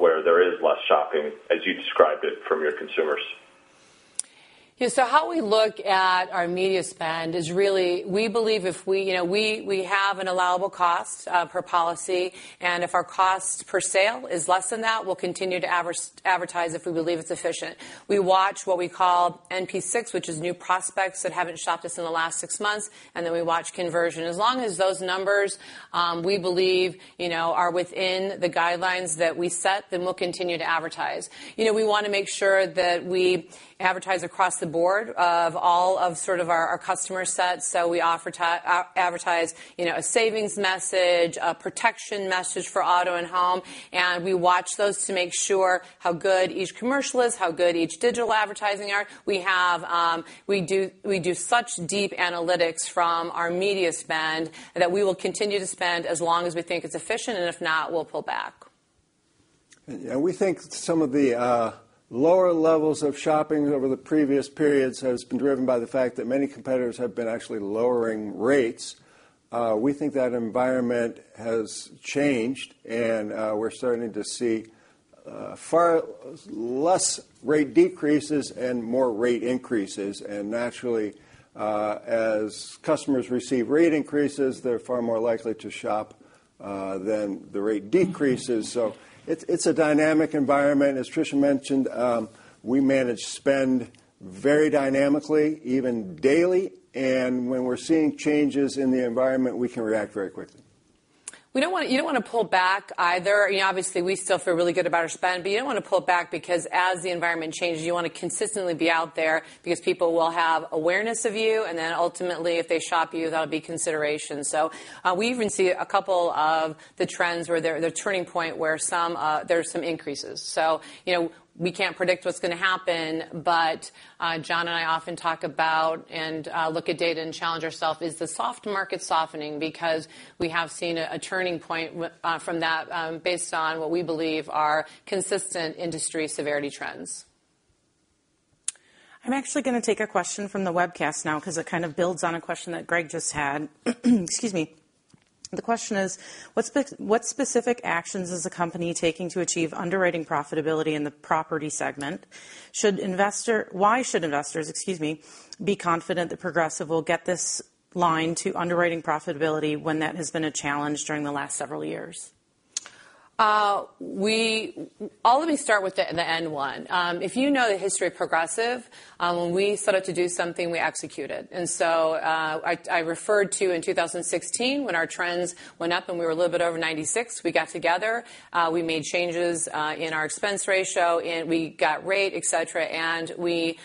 where there is less shopping, as you described it from your consumers. How we look at our media spend is really, we believe if we have an allowable cost per policy, if our cost per sale is less than that, we'll continue to advertise if we believe it's efficient. We watch what we call NP6, which is new prospects that haven't shopped with us in the last six months, we watch conversion. Long as those numbers, we believe are within the guidelines that we set, we'll continue to advertise. We want to make sure that we advertise across the board of all of our customer sets. We advertise a savings message, a protection message for auto and home, we watch those to make sure how good each commercial is, how good each digital advertising are. We do such deep analytics from our media spend that we will continue to spend as long as we think it's efficient, and if not, we'll pull back. We think some of the lower levels of shopping over the previous periods has been driven by the fact that many competitors have been actually lowering rates. We think that environment has changed, we're starting to see far less rate decreases and more rate increases. Naturally, as customers receive rate increases, they're far more likely to shop than the rate decreases. It's a dynamic environment. Tricia mentioned, we manage spend very dynamically, even daily. When we're seeing changes in the environment, we can react very quickly. You don't want to pull back either. Obviously, we still feel really good about our spend, you don't want to pull back because as the environment changes, you want to consistently be out there because people will have awareness of you, and then ultimately, if they shop you, that'll be consideration. We even see a couple of the trends where there's a turning point where there's some increases. We can't predict what's going to happen, John and I often talk about and look at data and challenge ourselves is the soft market softening because we have seen a turning point from that based on what we believe are consistent industry severity trends. I'm actually going to take a question from the webcast now because it kind of builds on a question that Greg just had. Excuse me. The question is: what specific actions is the company taking to achieve underwriting profitability in the property segment? Why should investors be confident that Progressive will get this line to underwriting profitability when that has been a challenge during the last several years? I'll let me start with the end one. If you know the history of Progressive, when we set out to do something, we execute it. I referred to in 2016 when our trends went up and we were a little bit over 96, we got together, we made changes in our expense ratio, and we got rate, et cetera, and we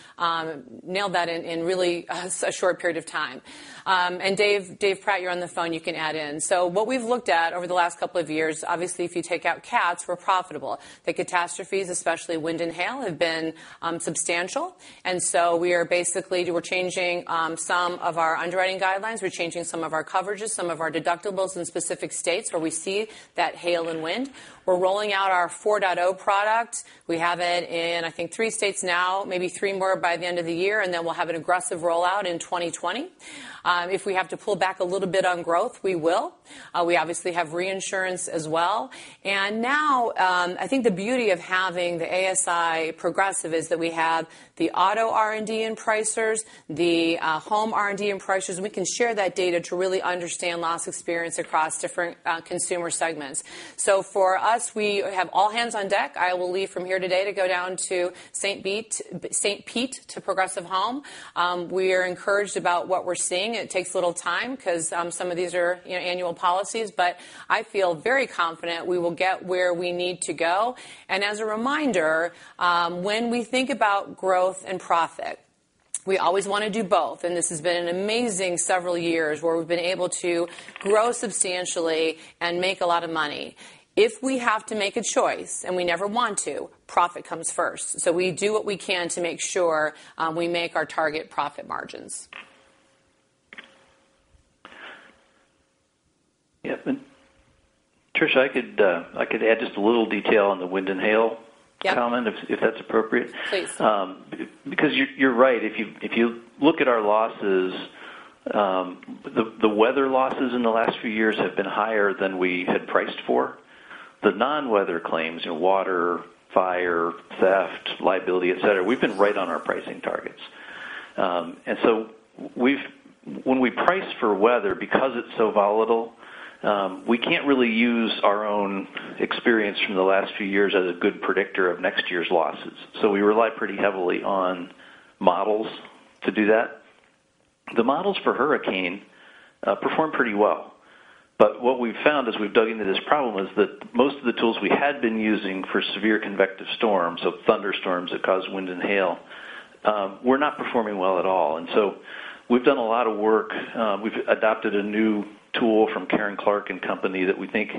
nailed that in really a short period of time. Dave Pratt, you're on the phone, you can add in. What we've looked at over the last couple of years, obviously, if you take out cats, we're profitable. The catastrophes, especially wind and hail, have been substantial, we are basically changing some of our underwriting guidelines. We're changing some of our coverages, some of our deductibles in specific states where we see that hail and wind. We're rolling out our 4.0 product. We have it in, I think, three states now, maybe three more by the end of the year, and then we'll have an aggressive rollout in 2020. If we have to pull back a little bit on growth, we will. We obviously have reinsurance as well. Now, I think the beauty of having the ASI Progressive is that we have the auto R&D and pricers, the home R&D and pricers, and we can share that data to really understand loss experience across different consumer segments. For us, we have all hands on deck. I will leave from here today to go down to St. Pete to Progressive Home. We are encouraged about what we're seeing. It takes a little time because some of these are annual policies, but I feel very confident we will get where we need to go. As a reminder, when we think about growth and profit, we always want to do both, and this has been an amazing several years where we've been able to grow substantially and make a lot of money. If we have to make a choice, and we never want to, profit comes first. We do what we can to make sure we make our target profit margins. Yep. Tricia, I could add just a little detail on the wind and hail comment. Yep if that's appropriate. Please. You're right. If you look at our losses, the weather losses in the last few years have been higher than we had priced for. The non-weather claims, water, fire, theft, liability, et cetera, we've been right on our pricing targets. When we price for weather, because it's so volatile, we can't really use our own experience from the last few years as a good predictor of next year's losses, so we rely pretty heavily on models to do that. The models for hurricane perform pretty well. What we've found as we've dug into this problem is that most of the tools we had been using for severe convective storms, so thunderstorms that cause wind and hail, were not performing well at all. We've done a lot of work. We've adopted a new tool from Karen Clark & Company that we think,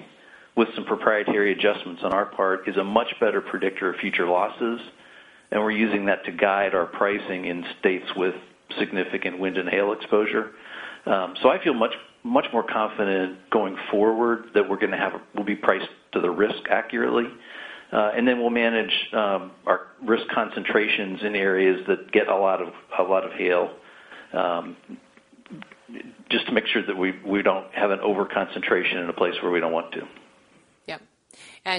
with some proprietary adjustments on our part, is a much better predictor of future losses. We're using that to guide our pricing in states with significant wind and hail exposure. I feel much more confident going forward that we'll be priced to the risk accurately. We'll manage our risk concentrations in areas that get a lot of hail, just to make sure that we don't have an over-concentration in a place where we don't want to. Yep.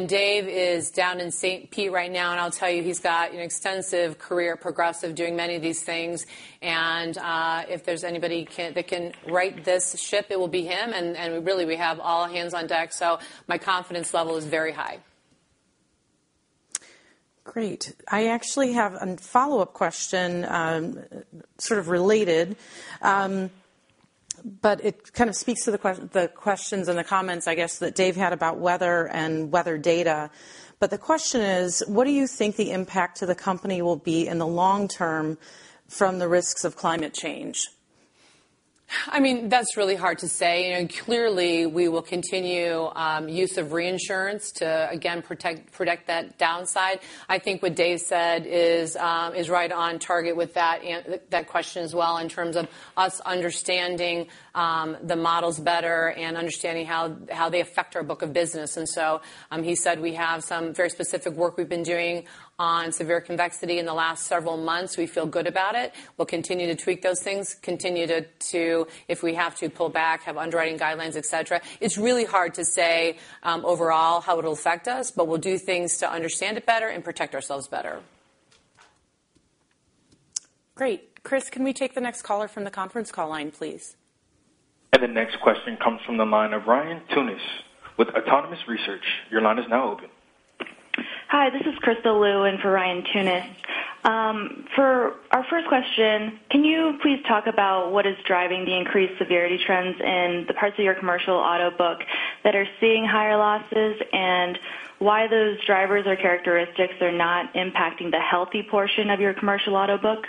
Dave is down in St. Pete right now. I'll tell you, he's got an extensive career at Progressive doing many of these things. If there's anybody that can right this ship, it will be him. Really, we have all hands on deck. My confidence level is very high. Great. I actually have a follow-up question, sort of related, but it kind of speaks to the questions and the comments, I guess, that Dave had about weather and weather data. The question is, what do you think the impact to the company will be in the long term from the risks of climate change? That's really hard to say. Clearly, we will continue use of reinsurance to, again, protect that downside. I think what Dave said is right on target with that question as well in terms of us understanding the models better and understanding how they affect our book of business. He said we have some very specific work we've been doing on severe convective storms in the last several months. We feel good about it. We'll continue to tweak those things, continue to, if we have to pull back, have underwriting guidelines, et cetera. It's really hard to say overall how it'll affect us, but we'll do things to understand it better and protect ourselves better. Great. Chris, can we take the next caller from the conference call line, please? The next question comes from the line of Ryan Tunis with Autonomous Research. Your line is now open. Hi, this is Crystal Lu in for Ryan Tunis. For our first question, can you please talk about what is driving the increased severity trends in the parts of your commercial auto book that are seeing higher losses, and why those drivers or characteristics are not impacting the healthy portion of your commercial auto book?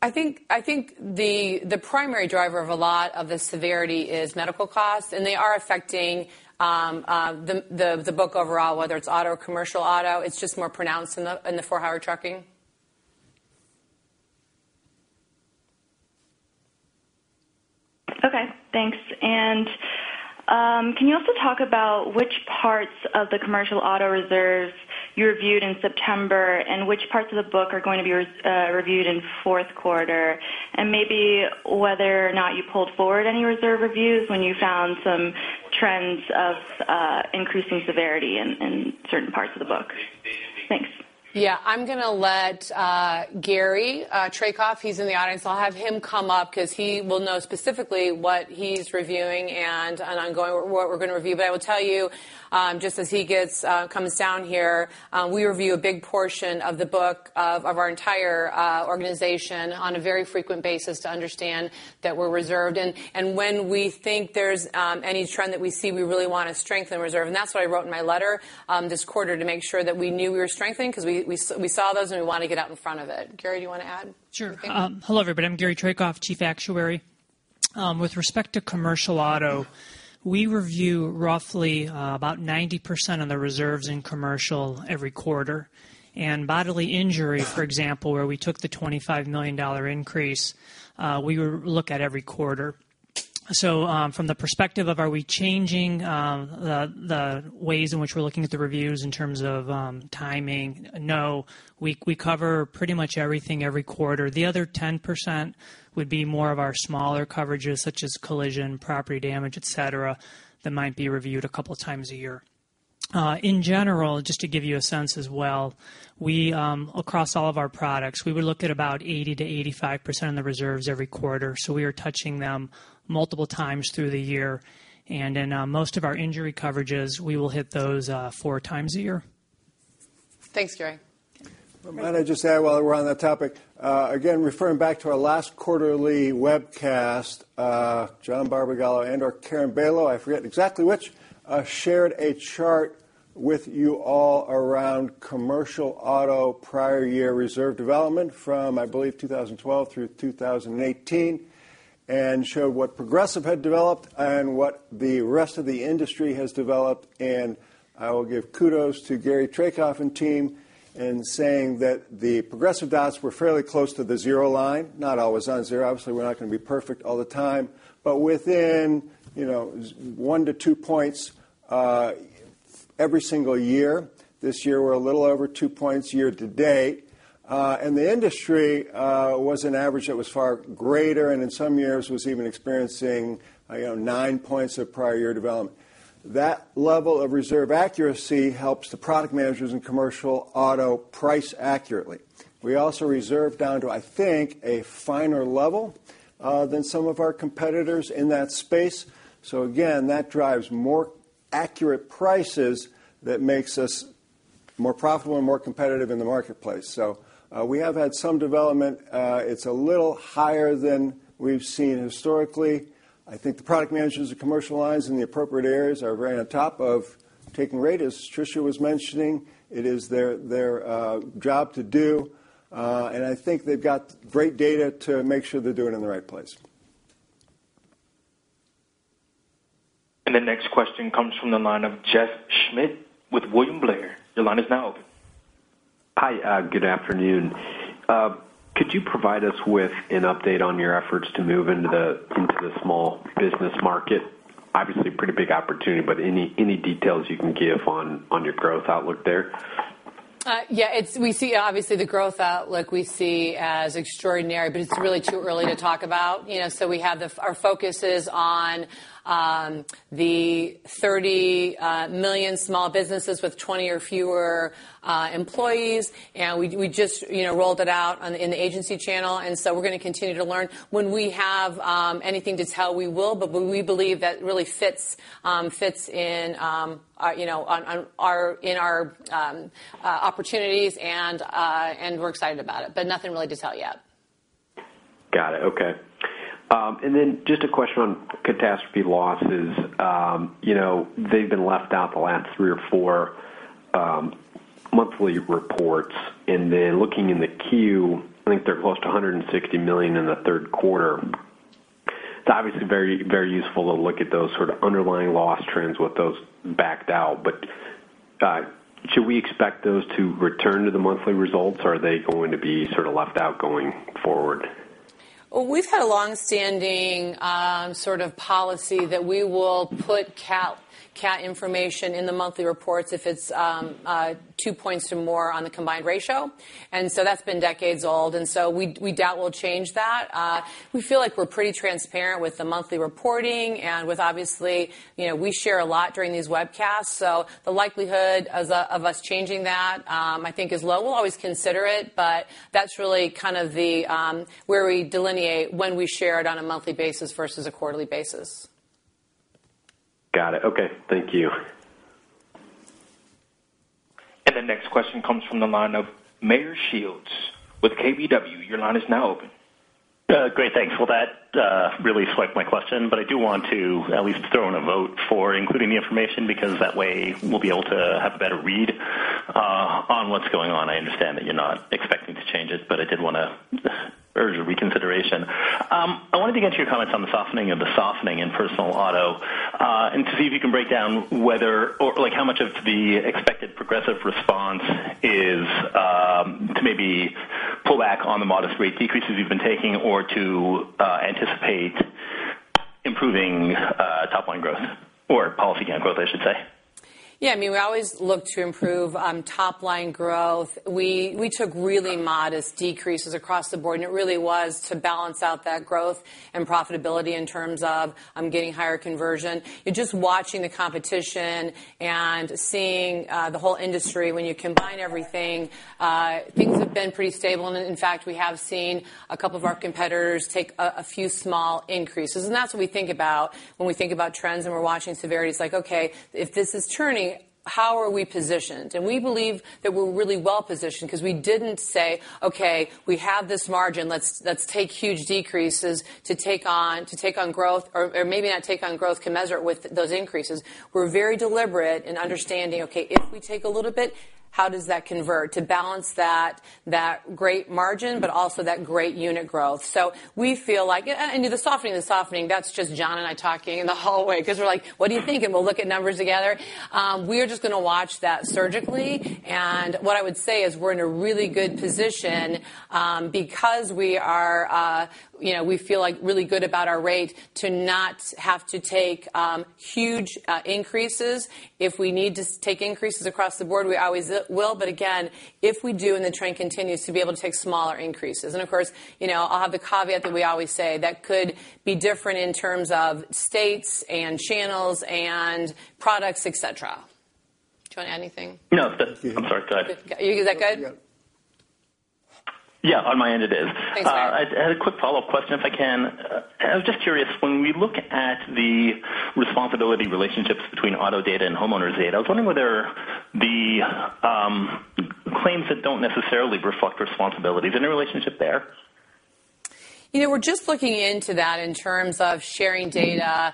I think the primary driver of a lot of the severity is medical costs, and they are affecting the book overall, whether it's auto or commercial auto. It's just more pronounced in the for-hire trucking. Okay, thanks. Can you also talk about which parts of the commercial auto reserves you reviewed in September, and which parts of the book are going to be reviewed in fourth quarter? Maybe whether or not you pulled forward any reserve reviews when you found some trends of increasing severity in certain parts of the book. Thanks. Yeah. I'm going to let Gary Trajkov, he's in the audience, I'll have him come up because he will know specifically what he's reviewing and what we're going to review. I will tell you, just as he comes down here, we review a big portion of the book of our entire organization on a very frequent basis to understand that we're reserved. When we think there's any trend that we see, we really want to strengthen reserve. That's what I wrote in my letter this quarter to make sure that we knew we were strengthening because we saw those and we want to get out in front of it. Gary, do you want to add anything? Sure. Hello, everybody. I'm Gary Trajkov, Chief Actuary. With respect to commercial auto, we review roughly about 90% of the reserves in commercial every quarter. Bodily injury, for example, where we took the $25 million increase, we look at every quarter. From the perspective of are we changing the ways in which we're looking at the reviews in terms of timing, no. We cover pretty much everything every quarter. The other 10% would be more of our smaller coverages, such as collision, property damage, et cetera, that might be reviewed a couple times a year. In general, just to give you a sense as well, across all of our products, we would look at about 80%-85% of the reserves every quarter. We are touching them multiple times through the year. In most of our injury coverages, we will hit those four times a year. Thanks, Gary. Might I just add while we're on that topic, again, referring back to our last quarterly webcast, John Barbagallo and/or Karen Bailo, I forget exactly which, shared a chart with you all around commercial auto prior year reserve development from, I believe, 2012 through 2018 and showed what Progressive had developed and what the rest of the industry has developed. I will give kudos to Gary Trajkov and team in saying that the Progressive dots were fairly close to the zero line. Not always on zero, obviously, we're not going to be perfect all the time, but within one to two points every single year. This year, we're a little over two points year to date. The industry was an average that was far greater, and in some years was even experiencing nine points of prior year development. That level of reserve accuracy helps the product managers in commercial auto price accurately. We also reserve down to, I think, a finer level than some of our competitors in that space. Again, that drives more accurate prices that makes us more profitable and more competitive in the marketplace. We have had some development. It's a little higher than we've seen historically. I think the product managers at commercial lines in the appropriate areas are very on top of taking rate, as Tricia was mentioning. It is their job to do, and I think they've got great data to make sure they're doing it in the right place. The next question comes from the line of Jeff Schmitt with William Blair. Your line is now open. Hi, good afternoon. Could you provide us with an update on your efforts to move into the small business market? Obviously, pretty big opportunity, but any details you can give on your growth outlook there? Yeah. Obviously, the growth outlook we see as extraordinary, but it's really too early to talk about. Our focus is on the 30 million small businesses with 20 or fewer employees, and we just rolled it out in the agency channel, and so we're going to continue to learn. When we have anything to tell, we will. We believe that really fits in our opportunities, and we're excited about it. Nothing really to tell yet. Got it. Okay. Just a question on catastrophe losses. They've been left out the last three or four monthly reports, and then looking in the Q, I think they're close to $160 million in the third quarter. It's obviously very useful to look at those sort of underlying loss trends with those backed out. Should we expect those to return to the monthly results, or are they going to be sort of left out going forward? We've had a long-standing sort of policy that we will put cat information in the monthly reports if it's two points or more on the combined ratio. That's been decades old, and so we doubt we'll change that. We feel like we're pretty transparent with the monthly reporting and with obviously, we share a lot during these webcasts, so the likelihood of us changing that, I think is low. We'll always consider it, but that's really kind of where we delineate when we share it on a monthly basis versus a quarterly basis. Got it. Okay. Thank you. The next question comes from the line of Meyer Shields with KBW. Your line is now open. Great. Thanks. Well, that really swiped my question. I do want to at least throw in a vote for including the information because that way we'll be able to have a better read on what's going on. I understand that you're not expecting to change it, but I did want to urge a reconsideration. I wanted to get your comments on the softening of the softening in personal auto, and to see if you can break down how much of the expected Progressive response is to maybe pull back on the modest rate decreases you've been taking or to anticipate improving top line growth, or policy count growth, I should say. Yeah, we always look to improve top line growth. We took really modest decreases across the board. It really was to balance out that growth and profitability in terms of getting higher conversion. You're just watching the competition and seeing the whole industry. When you combine everything, things have been pretty stable. In fact, we have seen a couple of our competitors take a few small increases, and that's what we think about when we think about trends and we're watching severity. It's like, "Okay, if this is turning, how are we positioned?" We believe that we're really well-positioned because we didn't say, "Okay, we have this margin. Let's take huge decreases to take on growth," or maybe not take on growth commensurate with those increases. We're very deliberate in understanding, okay, if we take a little bit, how does that convert to balance that great margin, but also that great unit growth? The softening and softening, that's just John and I talking in the hallway because we're like, "What do you think?" We'll look at numbers together. We are just going to watch that surgically, and what I would say is we're in a really good position because we feel really good about our rate to not have to take huge increases. If we need to take increases across the board, we always will, but again, if we do and the trend continues, to be able to take smaller increases. Of course, I'll have the caveat that we always say that could be different in terms of states and channels and products, et cetera. Do you want to add anything? No. I'm sorry. Go ahead. Is that good? Yeah. Yeah. On my end it is. Thanks. I had a quick follow-up question, if I can. I was just curious, when we look at the responsibility relationships between auto data and homeowners data, I was wondering whether the claims that don't necessarily reflect responsibility, is there any relationship there? We're just looking into that in terms of sharing data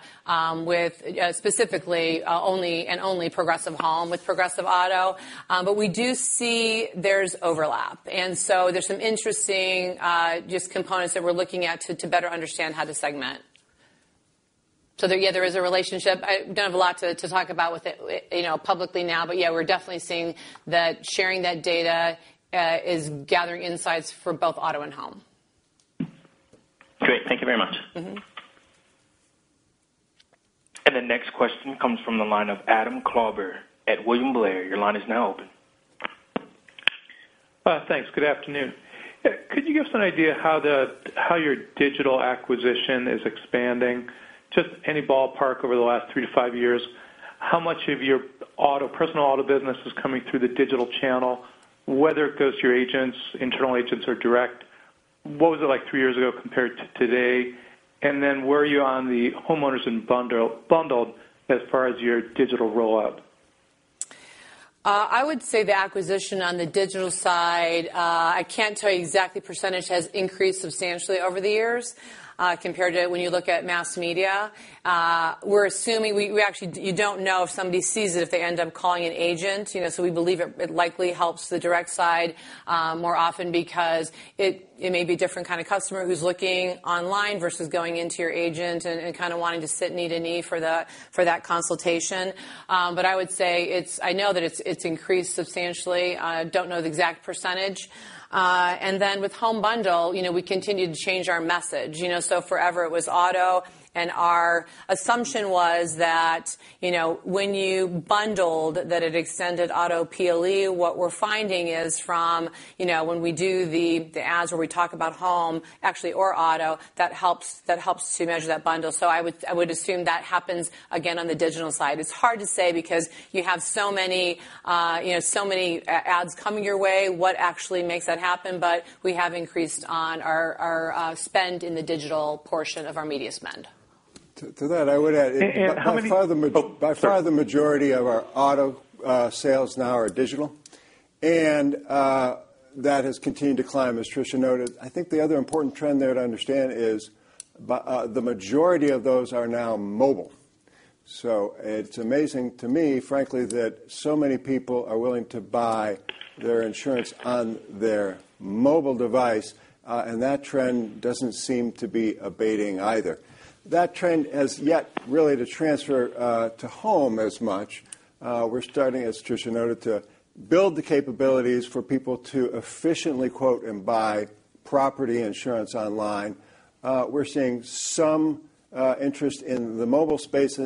with specifically and only Progressive Home with Progressive Auto. We do see there's overlap, there's some interesting just components that we're looking at to better understand how to segment. There, yeah, there is a relationship. Don't have a lot to talk about with it publicly now, but yeah, we're definitely seeing that sharing that data is gathering insights for both auto and home. Great. Thank you very much. The next question comes from the line of Adam Klauber at William Blair. Your line is now open. Thanks. Good afternoon. Could you give us an idea how your digital acquisition is expanding? Just any ballpark over the last three to five years, how much of your personal auto business is coming through the digital channel, whether it goes to your agents, internal agents, or direct? What was it like three years ago compared to today? Where are you on the homeowners and bundled as far as your digital rollout? I would say the acquisition on the digital side, I can't tell you exact percentage, has increased substantially over the years compared to when you look at mass media. We actually don't know if somebody sees it, if they end up calling an agent, so we believe it likely helps the direct side more often because it may be different kind of customer who's looking online versus going into your agent and kind of wanting to sit knee to knee for that consultation. I would say I know that it's increased substantially. I don't know the exact percentage. With home bundle, we continue to change our message. Forever it was auto, and our assumption was that when you bundled that it extended auto PLE. What we're finding is from when we do the ads where we talk about home actually or auto, that helps to measure that bundle. I would assume that happens again on the digital side. It's hard to say because you have so many ads coming your way, what actually makes that happen. We have increased on our spend in the digital portion of our media spend. To that, I would add- How many- By far the majority of our auto sales now are digital, and that has continued to climb, as Tricia noted. I think the other important trend there to understand is the majority of those are now mobile. It's amazing to me, frankly, that so many people are willing to buy their insurance on their mobile device, and that trend doesn't seem to be abating either. That trend has yet really to transfer to home as much. We're starting, as Tricia noted, to build the capabilities for people to efficiently quote and buy property insurance online. We're seeing some interest in the mobile space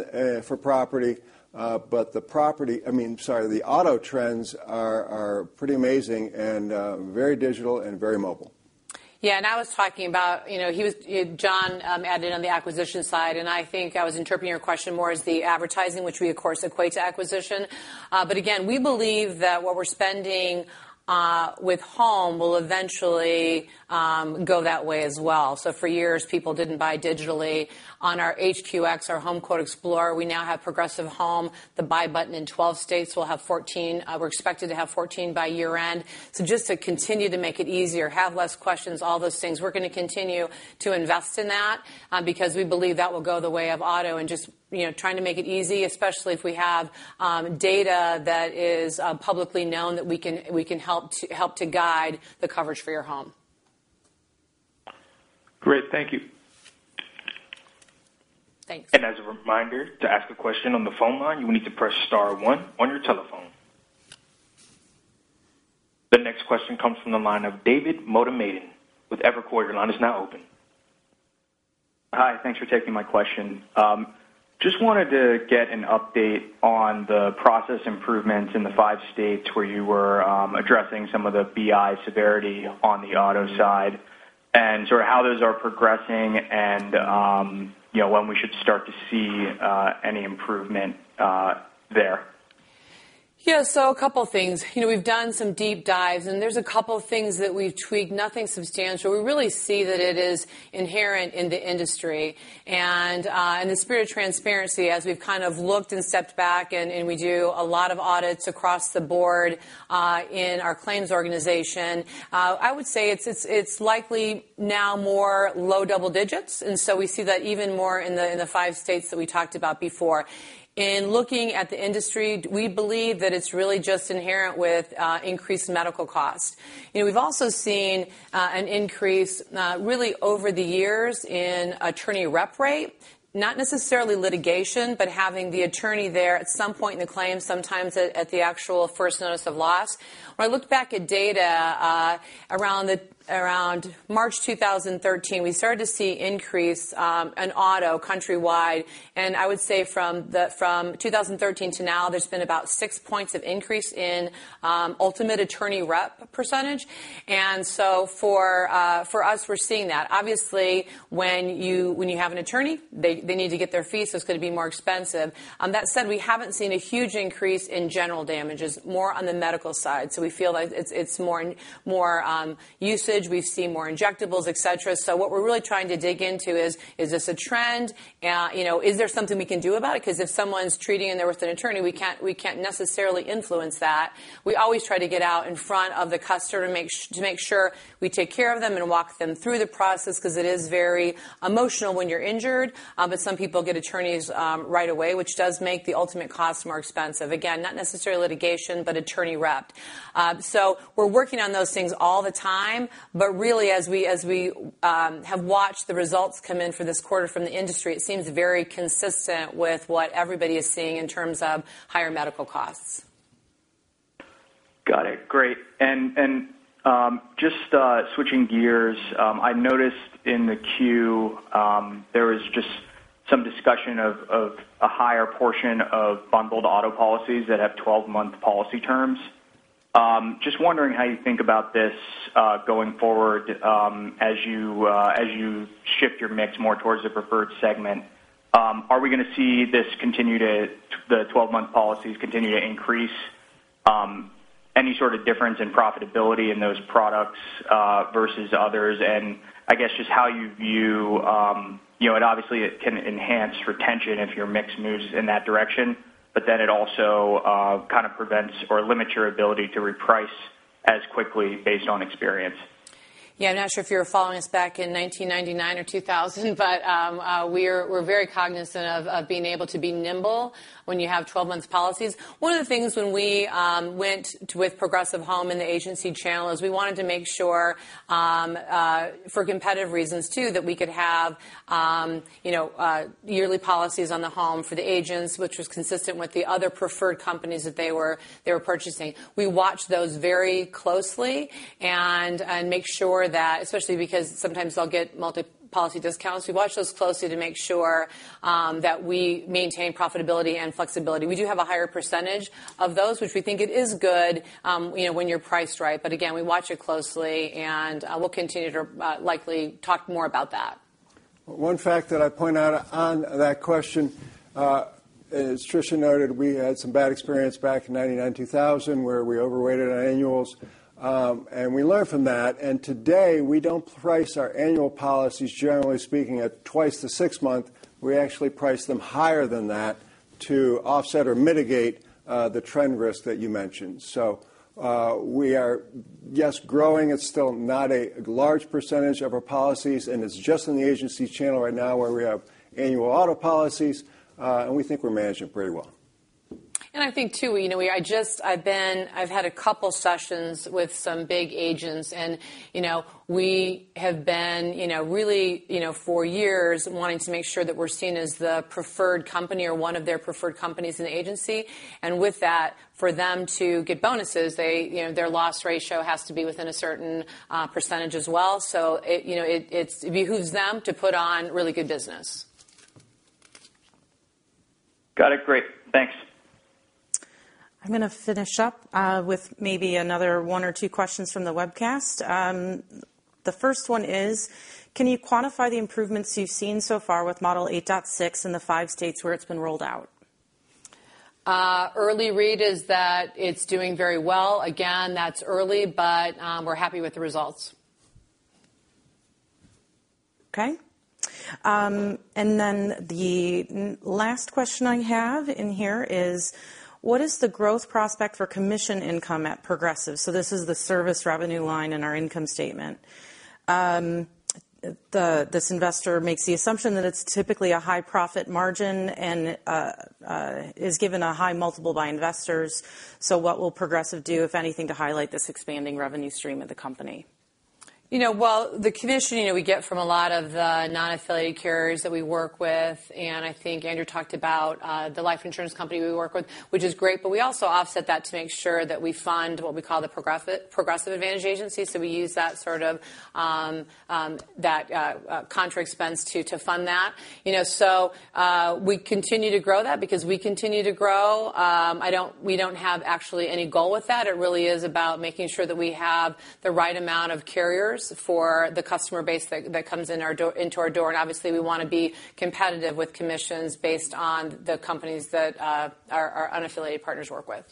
for property. But the auto trends are pretty amazing and very digital and very mobile. Yeah, I was talking about John added on the acquisition side, and I think I was interpreting your question more as the advertising, which we of course equate to acquisition. But again, we believe that what we're spending with home will eventually go that way as well. For years, people didn't buy digitally on our HQX, our HomeQuote Explorer. We now have Progressive Home, the buy button in 12 states. We'll have 14. We're expected to have 14 by year-end. Just to continue to make it easier, have less questions, all those things. We're going to continue to invest in that because we believe that will go the way of auto and just trying to make it easy, especially if we have data that is publicly known that we can help to guide the coverage for your home. Great. Thank you. Thanks. As a reminder, to ask a question on the phone line, you will need to press star one on your telephone. The next question comes from the line of David Motemaden with Evercore. Your line is now open. Hi. Thanks for taking my question. Just wanted to get an update on the process improvements in the five states where you were addressing some of the BI severity on the auto side and sort of how those are progressing and when we should start to see any improvement there. Yeah. A couple things. We've done some deep dives. There's a couple of things that we've tweaked, nothing substantial. We really see that it is inherent in the industry and in the spirit of transparency as we've kind of looked and stepped back. We do a lot of audits across the board in our claims organization. I would say it's likely now more low double digits. We see that even more in the five states that we talked about before. In looking at the industry, we believe that it's really just inherent with increased medical costs. We've also seen an increase really over the years in attorney rep rate, not necessarily litigation, but having the attorney there at some point in the claim, sometimes at the actual first notice of loss. When I looked back at data around March 2013, we started to see increase in auto countrywide. I would say from 2013 to now, there's been about 6 points of increase in ultimate attorney rep percentage. For us, we're seeing that. Obviously, when you have an attorney, they need to get their fees. It's going to be more expensive. That said, we haven't seen a huge increase in general damages, more on the medical side. We feel like it's more usage. We've seen more injectables, et cetera. What we're really trying to dig into is this a trend? Is there something we can do about it? Because if someone's treating and they're with an attorney, we can't necessarily influence that. We always try to get out in front of the customer to make sure we take care of them and walk them through the process because it is very emotional when you're injured. Some people get attorneys right away, which does make the ultimate cost more expensive. Again, not necessarily litigation, but attorney rep. We're working on those things all the time. Really, as we have watched the results come in for this quarter from the industry, it seems very consistent with what everybody is seeing in terms of higher medical costs. Got it. Great. Just switching gears, I noticed in the Q, there was just some discussion of a higher portion of bundled auto policies that have 12-month policy terms. Just wondering how you think about this going forward, as you shift your mix more towards the preferred segment. Are we going to see the 12-month policies continue to increase? Any sort of difference in profitability in those products versus others? Obviously, it can enhance retention if your mix moves in that direction, but then it also kind of prevents or limits your ability to reprice as quickly based on experience. Yeah. I'm not sure if you were following us back in 1999 or 2000, but we're very cognizant of being able to be nimble when you have 12-month policies. One of the things when we went with Progressive Home and the agency channel is we wanted to make sure, for competitive reasons too, that we could have yearly policies on the home for the agents, which was consistent with the other preferred companies that they were purchasing. We watch those very closely and make sure that, especially because sometimes they'll get multi-policy discounts, we watch those closely to make sure that we maintain profitability and flexibility. We do have a higher percentage of those, which we think it is good when you're priced right. Again, we watch it closely, and we'll continue to likely talk more about that. One fact that I point out on that question, as Tricia noted, we had some bad experience back in 1999, 2000, where we overweighted our annuals. We learned from that. Today, we don't price our annual policies, generally speaking, at twice the six-month. We actually price them higher than that to offset or mitigate the trend risk that you mentioned. We are, yes, growing. It's still not a large percentage of our policies, and it's just in the agencies channel right now where we have annual auto policies, and we think we're managing it pretty well. I think too, I've had a couple sessions with some big agents, and we have been really for years wanting to make sure that we're seen as the preferred company or one of their preferred companies in the agency. With that, for them to get bonuses, their loss ratio has to be within a certain % as well. It behooves them to put on really good business. Got it. Great. Thanks. I'm going to finish up with maybe another one or two questions from the webcast. The first one is: can you quantify the improvements you've seen so far with Model 8.6 in the five states where it's been rolled out? Early read is that it's doing very well. Again, that's early, but we're happy with the results. Okay. The last question I have in here is: what is the growth prospect for commission income at Progressive? This is the service revenue line in our income statement. This investor makes the assumption that it's typically a high profit margin and is given a high multiple by investors. What will Progressive do, if anything, to highlight this expanding revenue stream of the company? The commissioning that we get from a lot of the non-affiliated carriers that we work with, and I think Andrew talked about the life insurance company we work with, which is great, but we also offset that to make sure that we fund what we call the Progressive Advantage Agency. We use that contra expense to fund that. We continue to grow that because we continue to grow. We don't have actually any goal with that. It really is about making sure that we have the right amount of carriers for the customer base that comes into our door, and obviously, we want to be competitive with commissions based on the companies that our unaffiliated partners work with.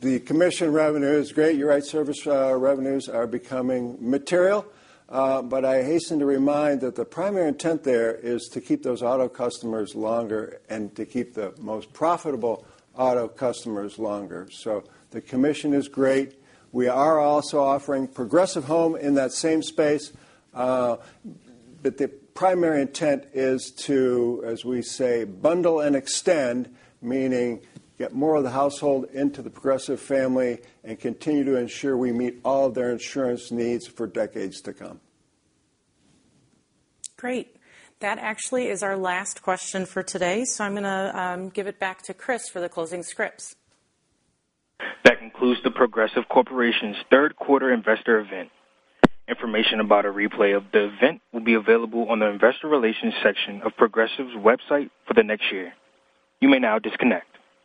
The commission revenue is great. You're right, service revenues are becoming material. I hasten to remind that the primary intent there is to keep those auto customers longer and to keep the most profitable auto customers longer. The commission is great. We are also offering Progressive Home in that same space. The primary intent is to, as we say, bundle and extend, meaning get more of the household into the Progressive family and continue to ensure we meet all their insurance needs for decades to come. Great. That actually is our last question for today. I'm going to give it back to Chris for the closing scripts. That concludes The Progressive Corporation third quarter investor event. Information about a replay of the event will be available on the investor relations section of Progressive's website for the next year. You may now disconnect.